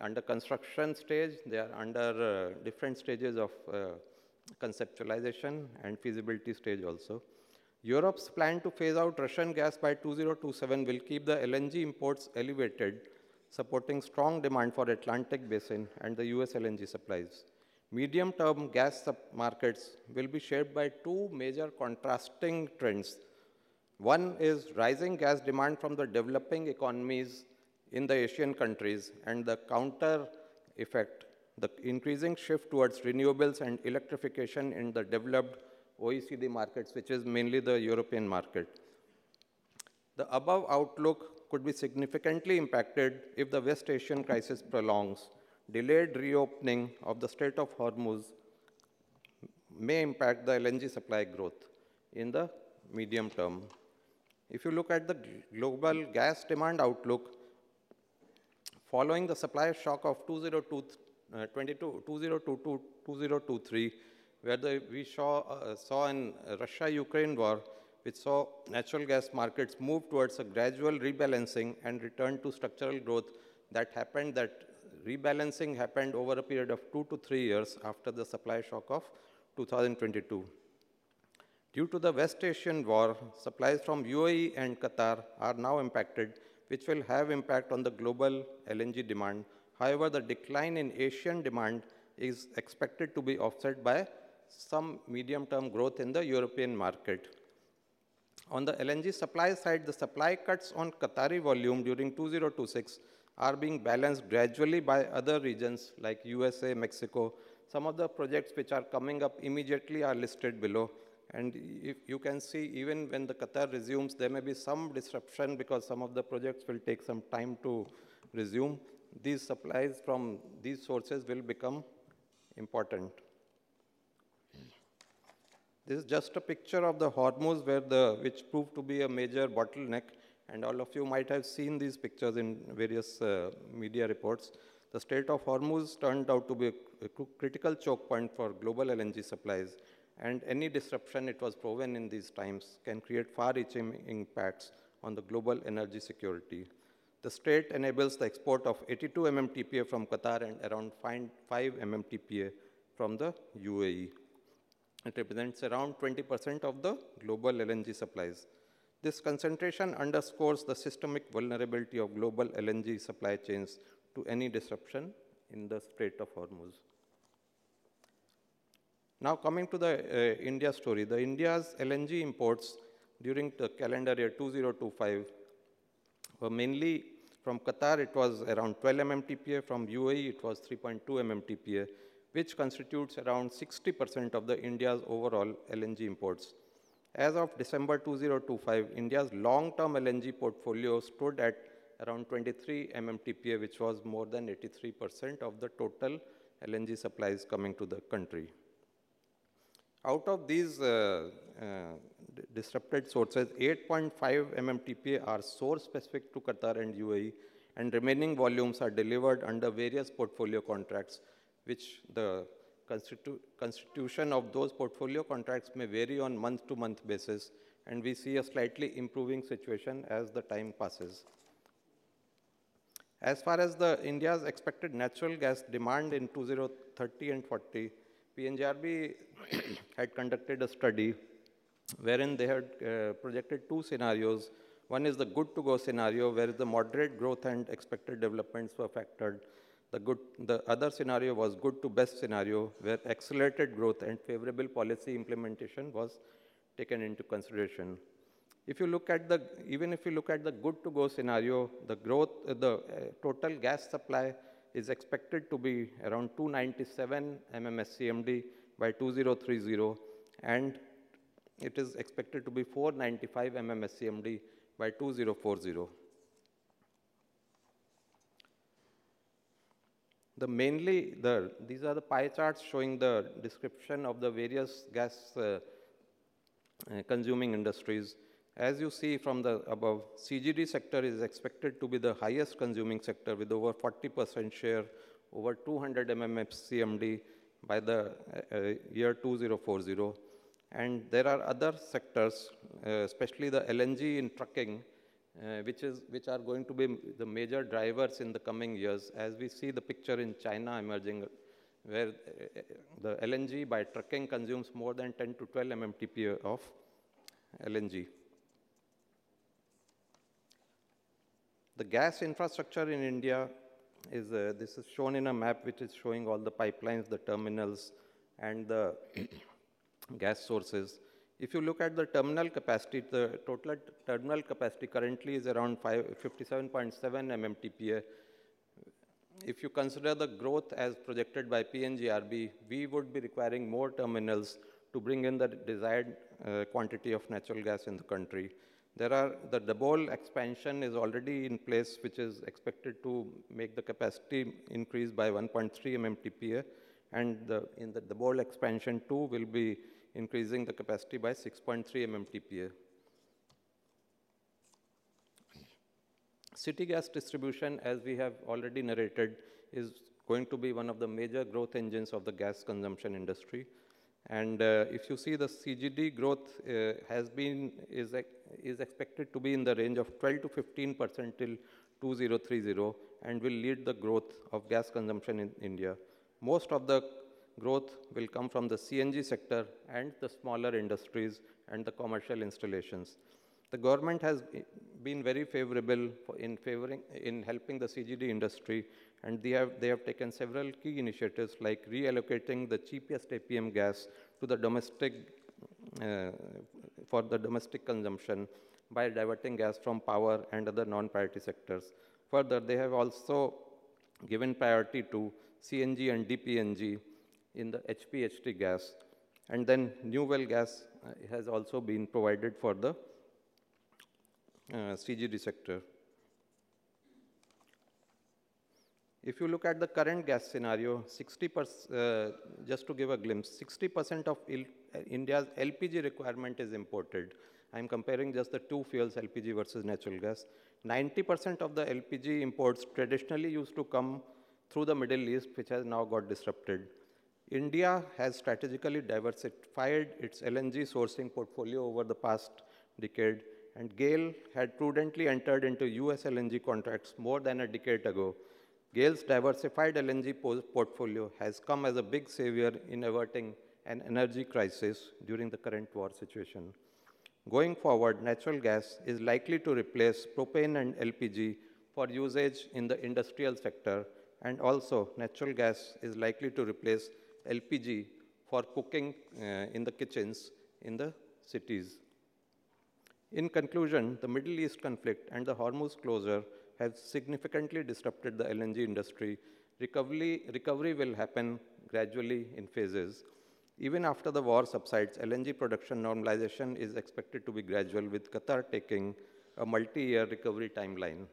under construction stage. They are under different stages of conceptualization and feasibility stage also. Europe's plan to phase out Russian gas by 2027 will keep the LNG imports elevated, supporting strong demand for Atlantic Basin and the U.S. LNG supplies. Medium-term gas markets will be shaped by two major contrasting trends. One is rising gas demand from the developing economies in the Asian countries and the counter effect, the increasing shift towards renewables and electrification in the developed OECD markets, which is mainly the European market. The above outlook could be significantly impacted if the West Asian crisis prolongs. Delayed reopening of the Strait of Hormuz may impact the LNG supply growth in the medium term. If you look at the global gas demand outlook, following the supply shock of 2022-2023, where we saw in Russia-Ukraine war, we saw natural gas markets move towards a gradual rebalancing and return to structural growth. That rebalancing happened over a period of two to three years after the supply shock of 2022. Due to the West Asian war, supplies from UAE and Qatar are now impacted, which will have impact on the global LNG demand. The decline in Asian demand is expected to be offset by some medium-term growth in the European market. On the LNG supply side, the supply cuts on Qatari volume during 2026 are being balanced gradually by other regions like U.S., Mexico. Some of the projects which are coming up immediately are listed below. If you can see, even when the Qatar resumes, there may be some disruption because some of the projects will take some time to resume. These supplies from these sources will become important. This is just a picture of the Hormuz, which proved to be a major bottleneck, and all of you might have seen these pictures in various media reports. The Strait of Hormuz turned out to be a critical choke point for global LNG supplies, and any disruption it was proven in these times can create far-reaching impacts on the global energy security. The strait enables the export of 82 MMTPA from Qatar and around five MMTPA from the UAE. It represents around 20% of the global LNG supplies. This concentration underscores the systemic vulnerability of global LNG supply chains to any disruption in the Strait of Hormuz. Coming to the India story. The India's LNG imports during the calendar year 2025, mainly from Qatar, it was around 12 MMTPA, from UAE, it was 3.2 MMTPA, which constitutes around 60% of the India's overall LNG imports. As of December 2025, India's long-term LNG portfolio stood at around 23 MMTPA, which was more than 83% of the total LNG supplies coming to the country. Out of these disrupted sources, 8.5 MMTPA are source-specific to Qatar and UAE, and remaining volumes are delivered under various portfolio contracts, which the constitution of those portfolio contracts may vary on month-to-month basis, and we see a slightly improving situation as the time passes. As far as the India's expected natural gas demand in 2030 and 2040, PNGRB had conducted a study wherein they had projected two scenarios. One is the good-to-go scenario, where the moderate growth and expected developments were factored. The other scenario was good-to-best scenario, where accelerated growth and favorable policy implementation was taken into consideration. Even if you look at the good-to-go scenario, the total gas supply is expected to be around 297 MMSCMD by 2030, and it is expected to be 495 MMSCMD by 2040. Mainly, these are the pie charts showing the description of the various gas-consuming industries. As you see from above, the CGD sector is expected to be the highest consuming sector with over 40% share, over 200 MMSCMD by the year 2040. There are other sectors, especially the LNG in trucking, which are going to be the major drivers in the coming years. As we see the picture in China emerging, where the LNG by trucking consumes more than 10-12 MMTPA of LNG. The gas infrastructure in India is shown on a map, which is showing all the pipelines, the terminals, and the gas sources. If you look at the terminal capacity, the total terminal capacity currently is around 57.7 MMTPA. If you consider the growth as projected by PNGRB, we would be requiring more terminals to bring in the desired quantity of natural gas in the country. The Dabhol expansion is already in place, which is expected to make the capacity increase by 1.3 MMtpa, and the Dabhol expansion too will be increasing the capacity by 6.3 MMtpa. City gas distribution, as we have already narrated, is going to be one of the major growth engines of the gas consumption industry. If you see, the CGD growth is expected to be in the range of 12%-15% till 2030 and will lead the growth of gas consumption in India. Most of the growth will come from the CNG sector and the smaller industries and the commercial installations. The government has been very favorable in helping the CGD industry, and they have taken several key initiatives, like reallocating the cheapest APM gas for the domestic consumption by diverting gas from power and other non-priority sectors. They have also given priority to CNG and DPNG in the HPHT gas. New well gas has also been provided for the CGD sector. You look at the current gas scenario, just to give a glimpse, 60% of India's LPG requirement is imported. I'm comparing just the two fuels, LPG versus natural gas. 90% of the LPG imports traditionally used to come through the Middle East, which has now got disrupted. India has strategically diversified its LNG sourcing portfolio over the past decade. GAIL had prudently entered into U.S. LNG contracts more than a decade ago. GAIL's diversified LNG portfolio has come as a big savior in averting an energy crisis during the current war situation. Going forward, natural gas is likely to replace propane and LPG for usage in the industrial sector, and also natural gas is likely to replace LPG for cooking in the kitchens in the cities. In conclusion, the Middle East conflict and the Hormuz closure have significantly disrupted the LNG industry. Recovery will happen gradually in phases. Even after the war subsides, LNG production normalization is expected to be gradual, with Qatar taking a multi-year recovery timeline.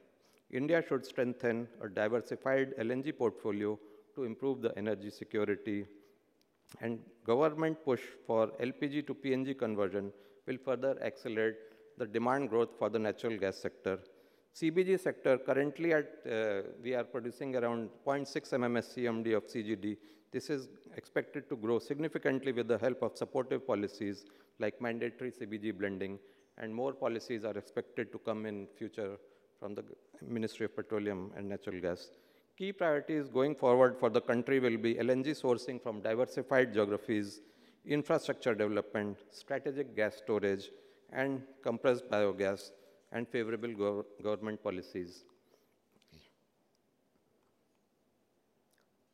India should strengthen a diversified LNG portfolio to improve energy security. Government push for LPG to PNG conversion will further accelerate the demand growth for the natural gas sector. CGD sector, currently we are producing around 0.6 MMSCMD of CGD. This is expected to grow significantly with the help of supportive policies like mandatory CBG blending. More policies are expected to come in future from the Ministry of Petroleum and Natural Gas. Key priorities going forward for the country will be LNG sourcing from diversified geographies, infrastructure development, strategic gas storage and compressed biogas, and favorable government policies.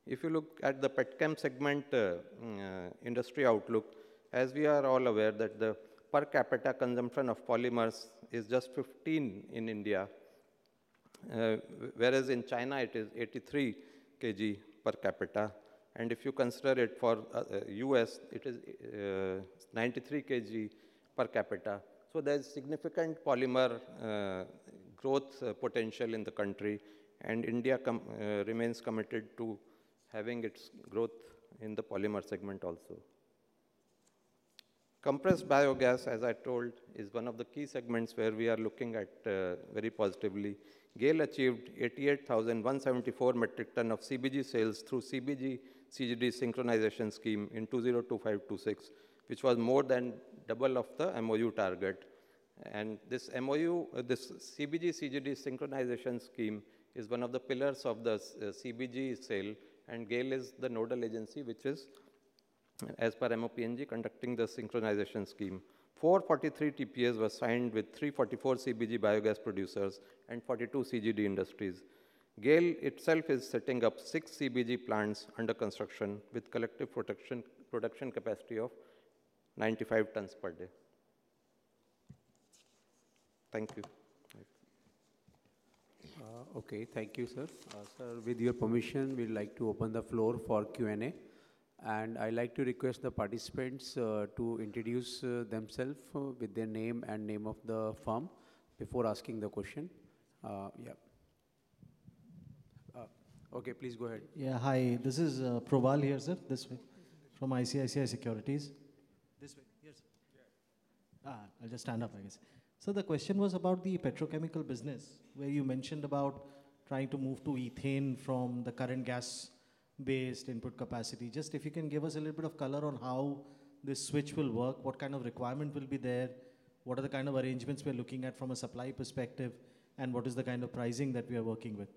If you look at the petchem segment industry outlook, as we are all aware that the per capita consumption of polymers is just 15 in India, whereas in China it is 83 kg per capita. If you consider it for the U.S., it is 93 kg per capita. There is significant polymer growth potential in the country, and India remains committed to having its growth in the polymer segment also. Compressed biogas, as I told, is one of the key segments where we are looking at very positively. GAIL achieved 88,174 metric ton of CBG sales through CBG-CGD synchronization scheme in 2025-26, which was more than double of the MoU target. This MoU, CBG-CGD synchronization scheme is one of the pillars of the CBG sale, GAIL is the nodal agency, which is as per MoPNG, conducting the synchronization scheme. 443 TPAs were signed with 344 CBG biogas producers and 42 CGD industries. GAIL itself is setting up six CBG plants under construction with collective production capacity of 95 tons per day. Thank you. Okay. Thank you, sir. Sir, with your permission, we'd like to open the floor for Q&A I'd like to request the participants to introduce themselves with their name and name of the firm before asking the question. Yeah. Okay, please go ahead. Yeah. Hi, this is Probal Sen, fFrom ICICI Securities. This way. Yes. Yeah. I'll just stand up, I guess. The question was about the petrochemical business, where you mentioned about trying to move to ethane from the current gas-based input capacity. Just if you can give us a little bit of color on how this switch will work, what kind of requirement will be there, what are the kind of arrangements we're looking at from a supply perspective, and what is the kind of pricing that we are working with?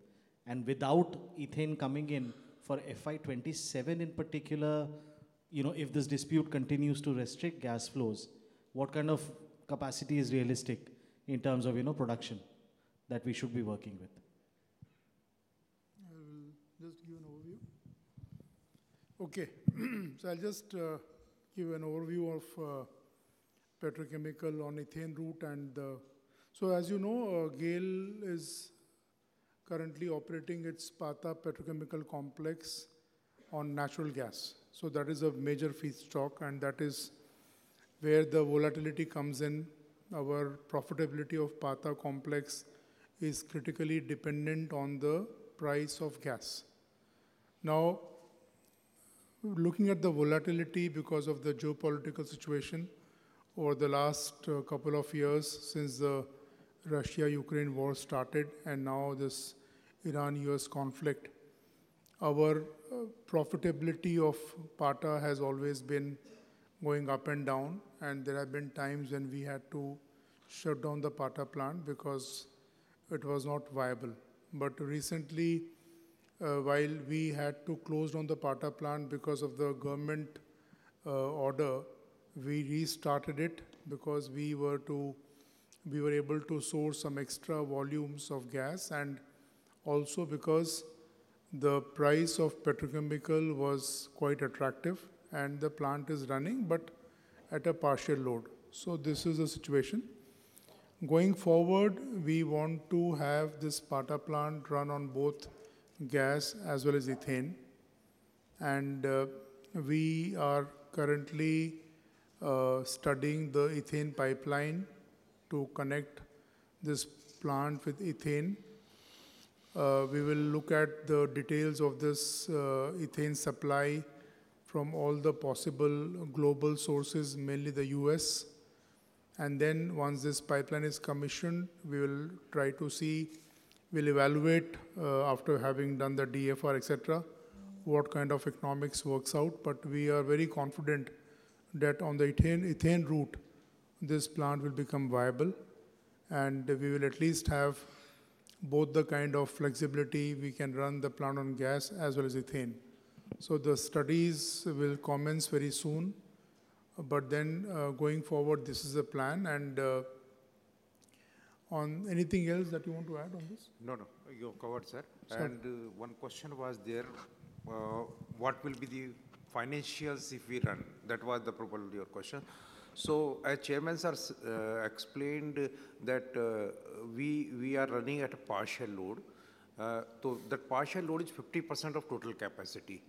Without ethane coming in, for FY 2027 in particular, if this dispute continues to restrict gas flows, what kind of capacity is realistic in terms of production that we should be working with? I will just give an overview. Okay, I'll just give an overview of petrochemical on ethane route. As you know, GAIL is currently operating its Pata Petrochemical Complex on natural gas. That is a major feedstock, and that is where the volatility comes in. Our profitability of Pata Complex is critically dependent on the price of gas. Now, looking at the volatility because of the geopolitical situation over the last couple of years since the Russia-Ukraine war started, and now this Iran-US conflict, our profitability of Pata has always been going up and down, and there have been times when we had to shut down the Pata plant because it was not viable. Recently, while we had to close down the Pata plant because of the government order, we restarted it because we were able to source some extra volumes of gas, and also because the price of petrochemical was quite attractive, and the plant is running but at a partial load. This is the situation. Going forward, we want to have this Pata plant run on both gas as well as ethane. We are currently studying the ethane pipeline to connect this plant with ethane. We will look at the details of this ethane supply from all the possible global sources, mainly the U.S. Once this pipeline is commissioned, we'll try to see, we'll evaluate after having done the DFR, et cetera, what kind of economics works out. We are very confident that on the ethane route, this plant will become viable and we will at least have both the kind of flexibility, we can run the plant on gas as well as ethane. The studies will commence very soon. Going forward, this is the plan. Anything else that you want to add on this? No, no, you have covered, sir. Sir. One question was there, what will be the financials if we run? That was the probably your question. As Chairman, sir explained that we are running at a partial load. That partial load is 50% of total capacity.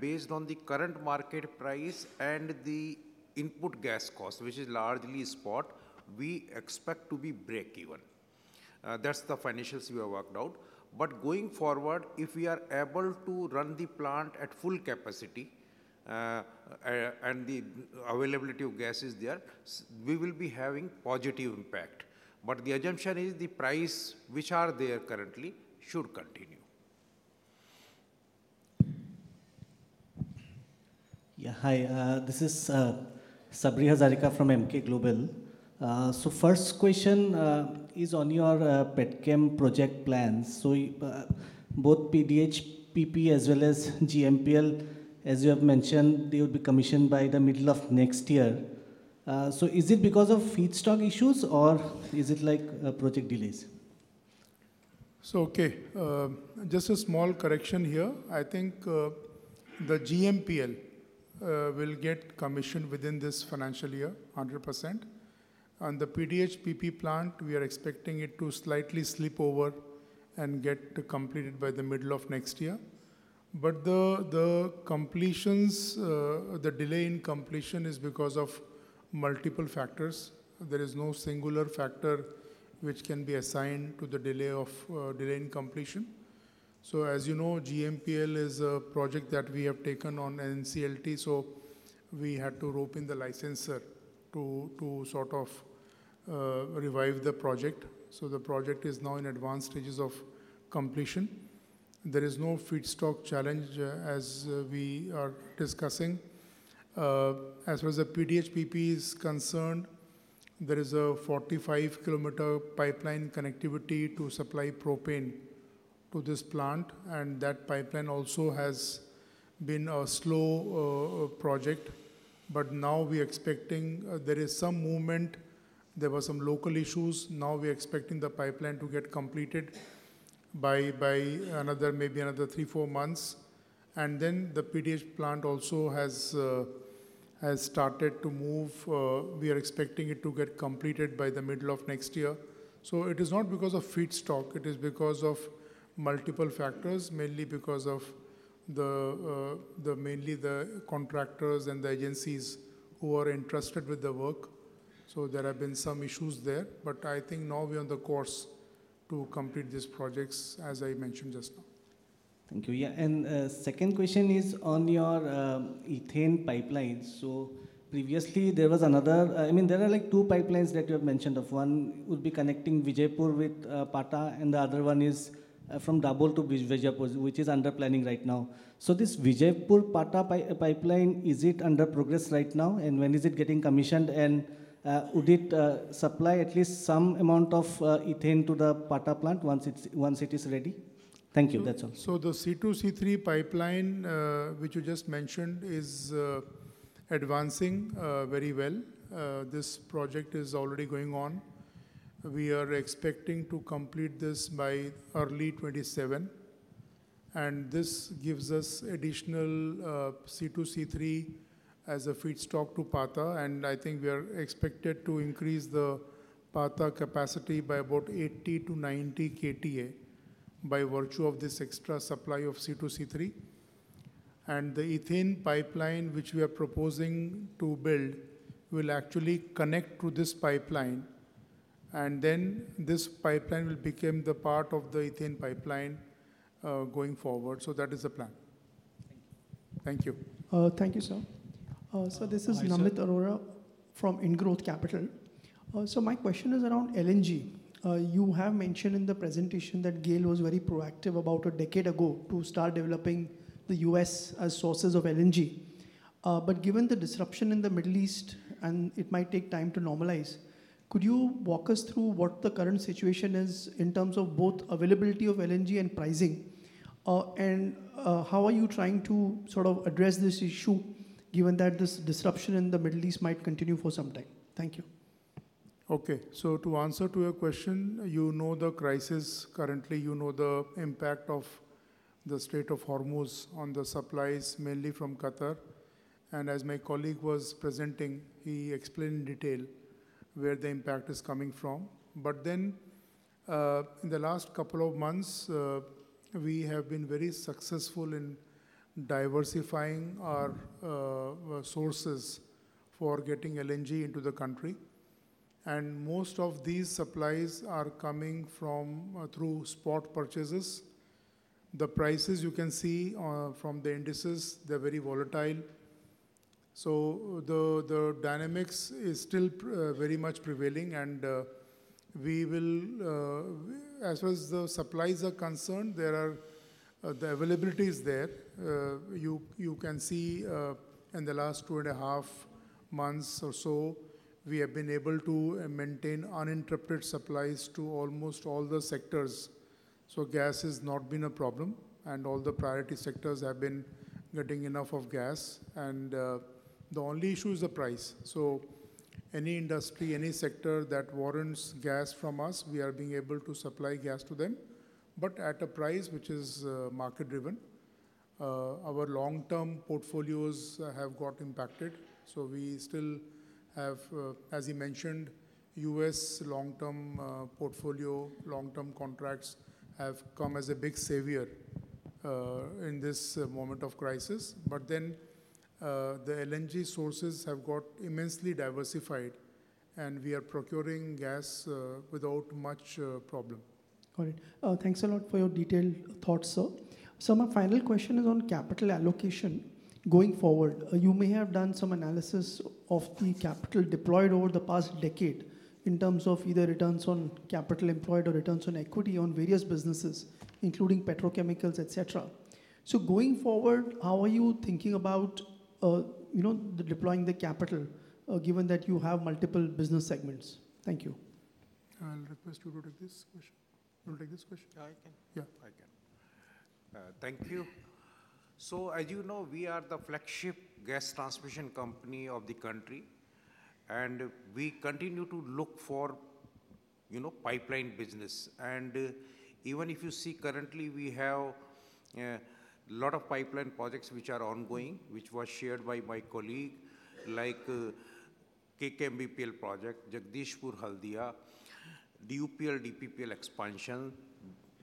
Based on the current market price and the input gas cost, which is largely spot, we expect to be break-even. That's the financials we have worked out. Going forward, if we are able to run the plant at full capacity, and the availability of gas is there, we will be having positive impact. The assumption is the price which are there currently should continue. Yeah. Hi, this is Sabri Hazarika from Emkay Global. First question is on your PDH-PP project plans. Both PDH-PP as well as GMPL, as you have mentioned, they will be commissioned by the middle of next year. Is it because of feedstock issues or is it project delays? Okay, just a small correction here. I think the GMPL will get commissioned within this financial year 100%. The PDH-PP plant, we are expecting it to slightly slip over and get completed by the middle of next year. The delay in completion is because of multiple factors. There is no singular factor which can be assigned to the delay in completion. As you know, GMPL is a project that we have taken on NCLT, so we had to rope in the licenser to sort of revive the project. The project is now in advanced stages of completion. There is no feedstock challenge as we are discussing. As far as the PDH-PP is concerned, there is a 45-kilometer pipeline connectivity to supply propane to this plant, and that pipeline also has been a slow project. Now we are expecting there is some movement. There were some local issues, now we are expecting the pipeline to get completed by maybe another three, four months. The PDH plant also has started to move. We are expecting it to get completed by the middle of next year. It is not because of feedstock, it is because of multiple factors, mainly because of the contractors and the agencies who are entrusted with the work. There have been some issues there, but I think now we are on the course to complete these projects as I mentioned just now. Thank you. Second question is on your ethane pipelines. Previously there are two pipelines that you have mentioned of. One would be connecting Vijaipur with Pata and the other one is from Dabhol to Vijaipur, which is under planning right now. This Vijaipur-Pata pipeline, is it under progress right now, and when is it getting commissioned, and would it supply at least some amount of ethane to the Pata plant once it is ready? Thank you. That's all. The C2C3 pipeline, which you just mentioned, is advancing very well. This project is already going on. We are expecting to complete this by early 2027. This gives us additional C2C3 as a feedstock to Pata, and I think we are expected to increase the Pata capacity by about 80 - 90 KTA by virtue of this extra supply of C2C3. The ethane pipeline, which we are proposing to build, will actually connect to this pipeline. Then this pipeline will become the part of the ethane pipeline going forward. That is the plan. Thank you. Thank you, sir. Nice. This is Namit Arora from IndGrowth Capital. My question is around LNG. You have mentioned in the presentation that GAIL was very proactive about a decade ago to start developing the U.S. as sources of LNG. Given the disruption in the Middle East, and it might take time to normalize, could you walk us through what the current situation is in terms of both availability of LNG and pricing? How are you trying to address this issue, given that this disruption in the Middle East might continue for some time? Thank you. Okay. To answer to your question, you know the crisis currently, you know the impact of the Strait of Hormuz on the supplies mainly from Qatar. As my colleague was presenting, he explained in detail where the impact is coming from. In the last couple of months, we have been very successful in diversifying our sources for getting LNG into the country, and most of these supplies are coming through spot purchases. The prices you can see from the indices, they're very volatile. The dynamic is still very much prevailing, and as far as the supplies are concerned, the availability is there. You can see in the last two and a half months or so, we have been able to maintain uninterrupted supplies to almost all the sectors. Gas has not been a problem, and all the priority sectors have been getting enough of gas, and the only issue is the price. Any industry, any sector that warrants gas from us, we are being able to supply gas to them, but at a price which is market-driven. Our long-term portfolios have got impacted. We still have, as you mentioned, U.S. long-term portfolio, long-term contracts have come as a big savior in this moment of crisis. The LNG sources have got immensely diversified, and we are procuring gas without much problem. Got it. Thanks a lot for your detailed thoughts, sir. Sir, my final question is on capital allocation. Going forward, you may have done some analysis of the capital deployed over the past decade in terms of either returns on capital employed or returns on equity on various businesses, including petrochemicals, et cetera. Going forward, how are you thinking about deploying the capital given that you have multiple business segments? Thank you. I will request you to take this question. You want to take this question? Yeah, I can. Yeah. I can. Thank you. As you know, we are the flagship gas transmission company of the country, and we continue to look for pipeline business. Even if you see currently, we have a lot of pipeline projects which are ongoing, which were shared by my colleague, like KKM-BPL project, Jagdishpur-Haldia, DUPL-DPPL expansion,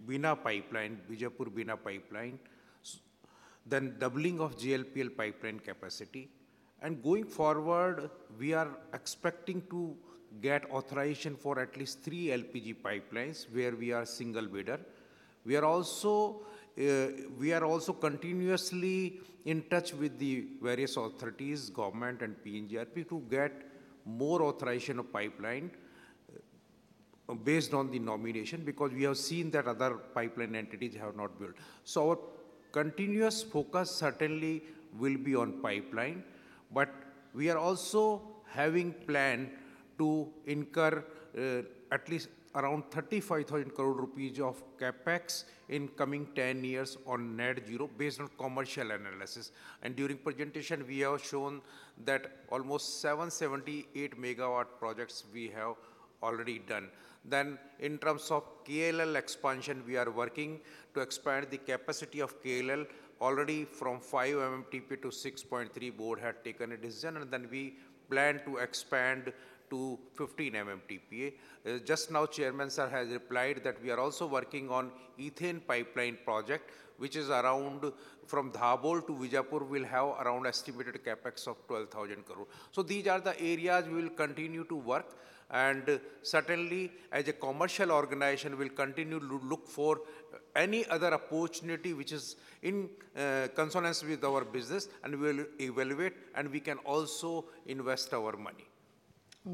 Vijaipur-Bina pipeline, then doubling of GLPL pipeline capacity. Going forward, we are expecting to get authorization for at least three LPG pipelines where we are single bidder. We are also continuously in touch with the various authorities, government and PNGRB to get more authorization of pipeline based on the nomination because we have seen that other pipeline entities have not built. Our continuous focus certainly will be on pipeline, but we are also having plan to incur at least around 35,000 crore rupees of CapEx in coming 10 years on net zero based on commercial analysis. During presentation, we have shown that almost 778 MW projects we have already done. In terms of KLL expansion, we are working to expand the capacity of KLL already from 5 MMTPA - 6.3MMTPA. Board have taken a decision. We plan to expand to 15 MMTPA. Just now, chairman sir has replied that we are also working on ethane pipeline project, which is around from Dabhol to Vijaipur will have around estimated CapEx of 12,000 crore. These are the areas we will continue to work. Certainly, as a commercial organization, we'll continue to look for any other opportunity which is in consonance with our business. We'll evaluate. We can also invest our money.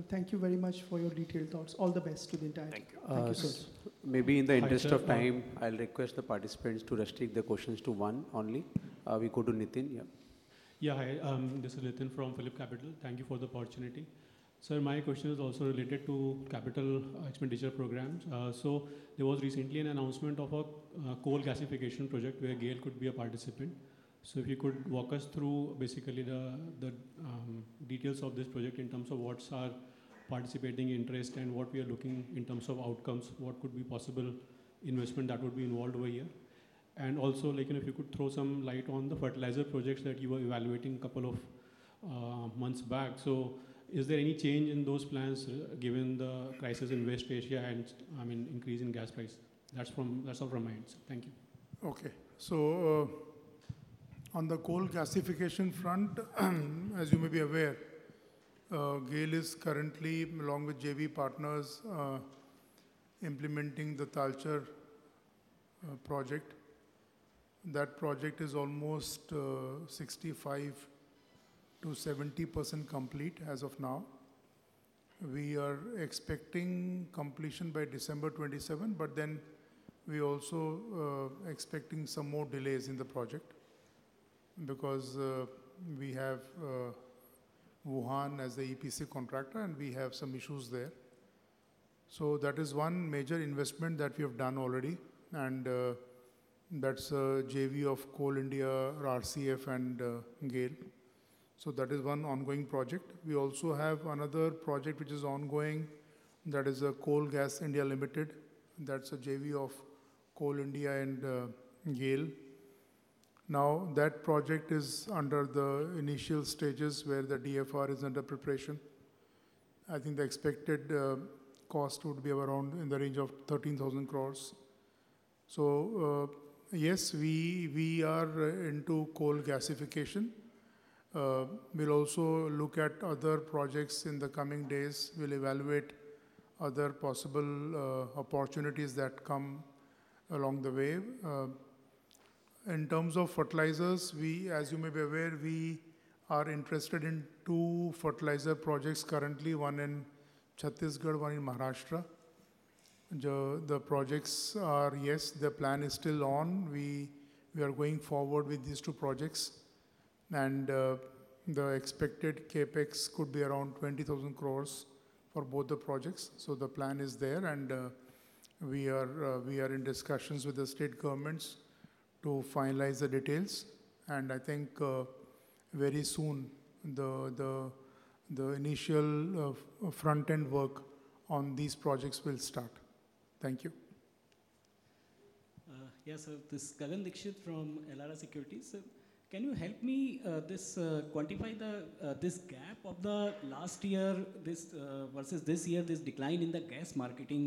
Thank you very much for your detailed thoughts. All the best for the entire team. Thank you. Maybe in the interest of time, I'll request the participants to restrict their questions to one only. We go to Nitin. Yeah. Yeah. Hi, this is Nitin from PhillipCapital. Thank you for the opportunity. Sir, my question is also related to capital expenditure programs. There was recently an announcement of a coal gasification project where GAIL could be a participant. If you could walk us through basically the details of this project in terms of what's our participating interest and what we are looking in terms of outcomes, what could be possible investment that would be involved over here. Also, if you could throw some light on the fertilizer projects that you were evaluating a couple of months back. Is there any change in those plans given the crisis in West Asia and increase in gas price? That's all from my end. Thank you. Okay. On the coal gasification front, as you may be aware, GAIL is currently, along with JV partners, implementing the Talcher project. That project is almost 65%-70% complete as of now. We are expecting completion by December 2027, we also expecting some more delays in the project because we have Wuhuan as the EPC contractor, and we have some issues there. That is one major investment that we have done already, and that's a JV of Coal India, RCF, and GAIL. That is one ongoing project. We also have another project which is ongoing that is Coal Gas India Limited. That's a JV of Coal India and GAIL. That project is under the initial stages where the DFR is under preparation. I think the expected cost would be around in the range of 13,000 crores. Yes, we are into coal gasification. We'll also look at other projects in the coming days. We'll evaluate other possible opportunities that come along the way. In terms of fertilizers, as you may be aware, we are interested in two fertilizer projects currently, one in Chhattisgarh, one in Maharashtra. The projects are, yes, the plan is still on. We are going forward with these two projects. The expected CapEx could be around ₹20,000 crores for both the projects. The plan is there, and we are in discussions with the state governments to finalize the details. I think very soon, the initial frontend work on these projects will start. Thank you. Yes, sir. This is Kanan Dixit from RRS Securities. Can you help me quantify this gap of the last year versus this year, this decline in the gas marketing,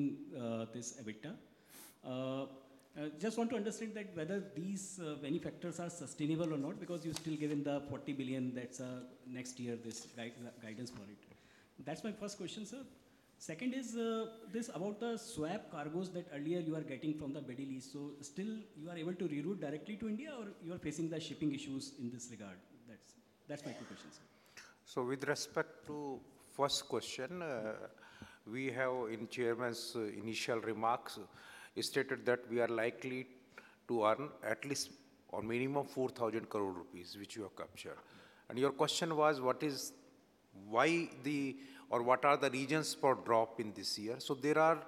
this EBITDA? Just want to understand that whether these wind factors are sustainable or not because you still given the 40 billion that's next year, this guidance for it. That's my first question, sir. Second is this about the swap cargoes that earlier you are getting from the Middle East. Still you are able to reroute directly to India or you are facing the shipping issues in this regard? That's my two questions. With respect to first question, we have in Chairman's initial remarks, he stated that we are likely to earn at least or minimum ₹4,000 crore, which you have captured. Your question was, what are the reasons for drop in this year? There are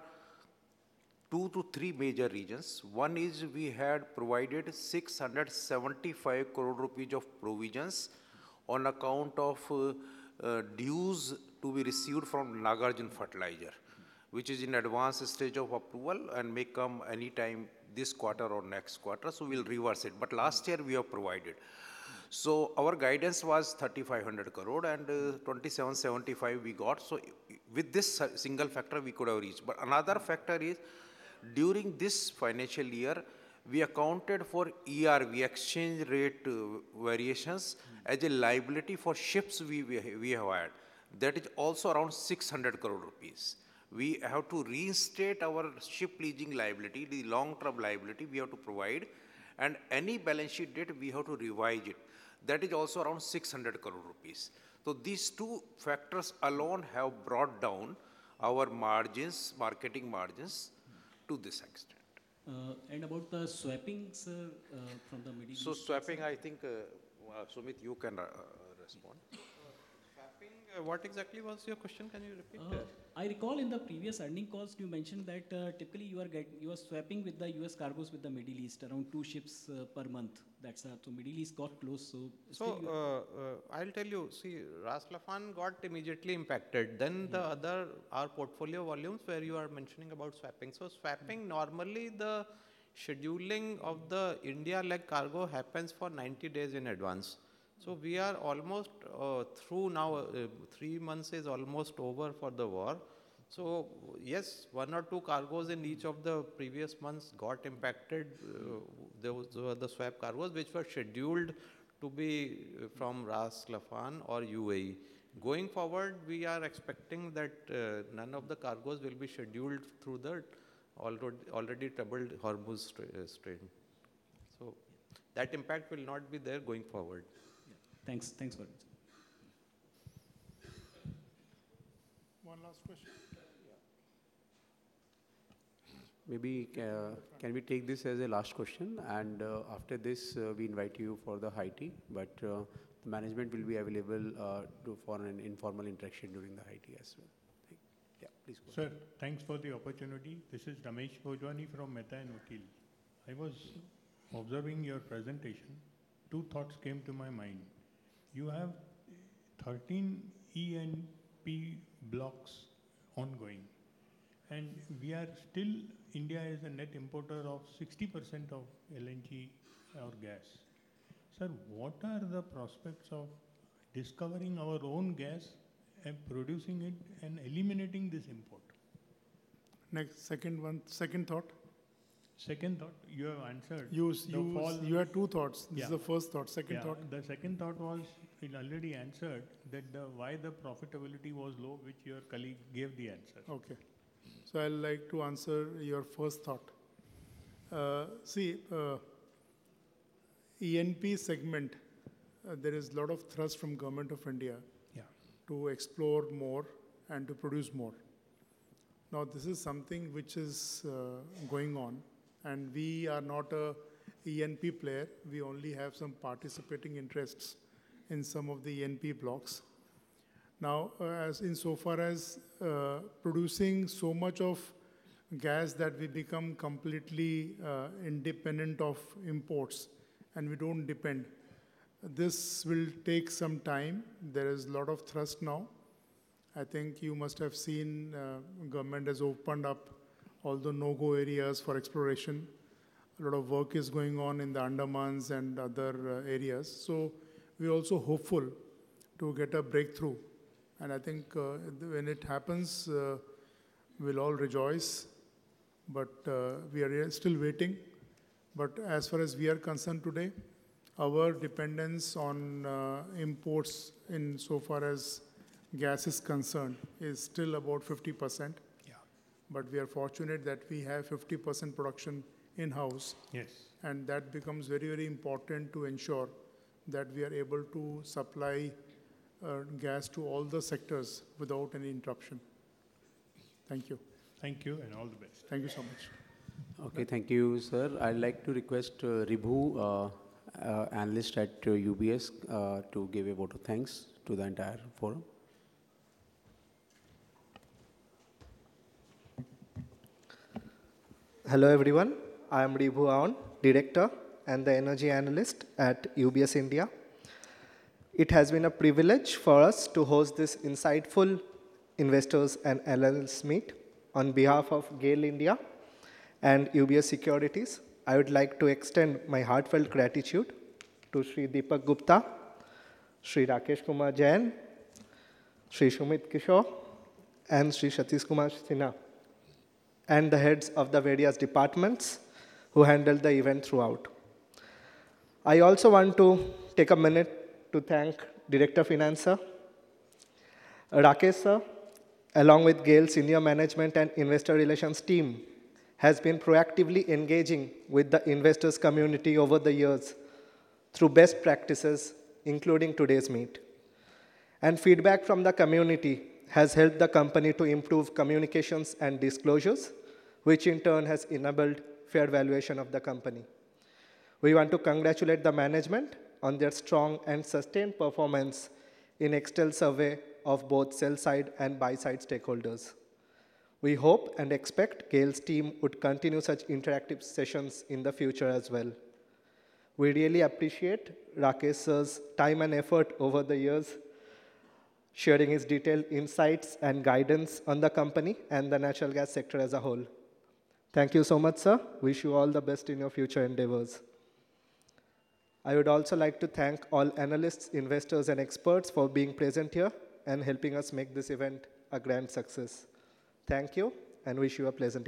two to three major reasons. One is we had provided ₹675 crore of provisions on account of dues to be received from Nagarjuna Fertilizers, which is in advanced stage of approval and may come any time this quarter or next quarter. We'll reverse it. Last year we have provided. Our guidance was ₹3,500 crore and 2,775 we got. With this single factor, we could have reached. Another factor is during this financial year, we accounted for ER, the exchange rate variations as a liability for ships we have had. That is also around ₹600 crore. We have to restate our ship leasing liability, the long-term liability we have to provide, and any balance sheet debt we have to revise it. That is also around ₹600 crore. These two factors alone have brought down, our marketing margins to this extent. About the swappings, sir, from the Middle East. Swapping, I think, Sumit, you can respond. Swapping. What exactly was your question? Can you repeat that? I recall in the previous earnings calls you mentioned that typically you were swapping with the U.S. cargoes with the Middle East around two ships per month. That Middle East got closed. I'll tell you. Ras Laffan got immediately impacted. The other, our portfolio volumes where you are mentioning about swapping. Swapping normally the scheduling of the India-led cargo happens for 90 days in advance. We are almost through now, three months is almost over for the war. Yes, one or two cargoes in each of the previous months got impacted. Those were the swap cargoes which were scheduled to be from Ras Laffan or UAE. Going forward, we are expecting that none of the cargoes will be scheduled through that already troubled Hormuz Strait. That impact will not be there going forward. Thanks a lot. One last question. Maybe can we take this as a last question? After this, we invite you for the high tea. Management will be available for an informal interaction during the high tea as well. Yeah, please go on. Sir, thanks for the opportunity. This is Ramesh Pojari from Mehta & Nookal. I was observing your presentation. Two thoughts came to my mind. You have 13 E&P blocks ongoing. Still India is a net importer of 60% of LNG or gas. Sir, what are the prospects of discovering our own gas and producing it and eliminating this import? Second one, second thought. Second thought, you have answered. You had two thoughts. Yeah. This is the first thought. Second thought. Yeah. The second thought was it already answered that why the profitability was low, which your colleague gave the answer. Okay. I'd like to answer your first thought. See, E&P segment, there is a lot of thrust from Government of India. Yeah to explore more and to produce more. This is something which is going on, and we are not an E&P player. We only have some participating interests in some of the E&P blocks. Insofar as producing so much of gas that we become completely independent of imports and we don't depend, this will take some time. There is a lot of thrust now. I think you must have seen government has opened up all the no-go areas for exploration. A lot of work is going on in the Andamans and other areas. We are also hopeful to get a breakthrough. I think when it happens, we'll all rejoice, but we are still waiting. As far as we are concerned today, our dependence on imports insofar as gas is concerned is still about 50%. Yeah. We are fortunate that we have 50% production in-house. Yes. That becomes very important to ensure that we are able to supply gas to all the sectors without any interruption. Thank you. Thank you and all the best. Thank you so much. Okay, thank you, sir. I'd like to request Rwibhu Aon, analyst at UBS, to give a vote of thanks to the entire forum. Hello, everyone. I'm Rwibhu Aon, director and the energy analyst at UBS India. It has been a privilege for us to host this insightful investors and analysts meet. On behalf of GAIL and UBS Securities, I would like to extend my heartfelt gratitude to Sri Deepak Gupta, Sri Rakesh Kumar Jain, Sri Sumit Kishore, and Sri Satish Kumar Sinha, the heads of the various departments who handled the event throughout. I also want to take a minute to thank Director Finance, Rakesh sir. Along with GAIL senior management and investor relations team, has been proactively engaging with the investors community over the years through best practices, including today's meet. Feedback from the community has helped the company to improve communications and disclosures, which in turn has enabled fair valuation of the company. We want to congratulate the management on their strong and sustained performance in an external survey of both sell-side and buy-side stakeholders. We hope and expect GAIL's team would continue such interactive sessions in the future as well. We really appreciate Rakesh sir's time and effort over the years, sharing his detailed insights and guidance on the company and the natural gas sector as a whole. Thank you so much, sir. Wish you all the best in your future endeavors. I would also like to thank all analysts, investors, and experts for being present here and helping us make this event a grand success. Thank you, and wish you a pleasant evening.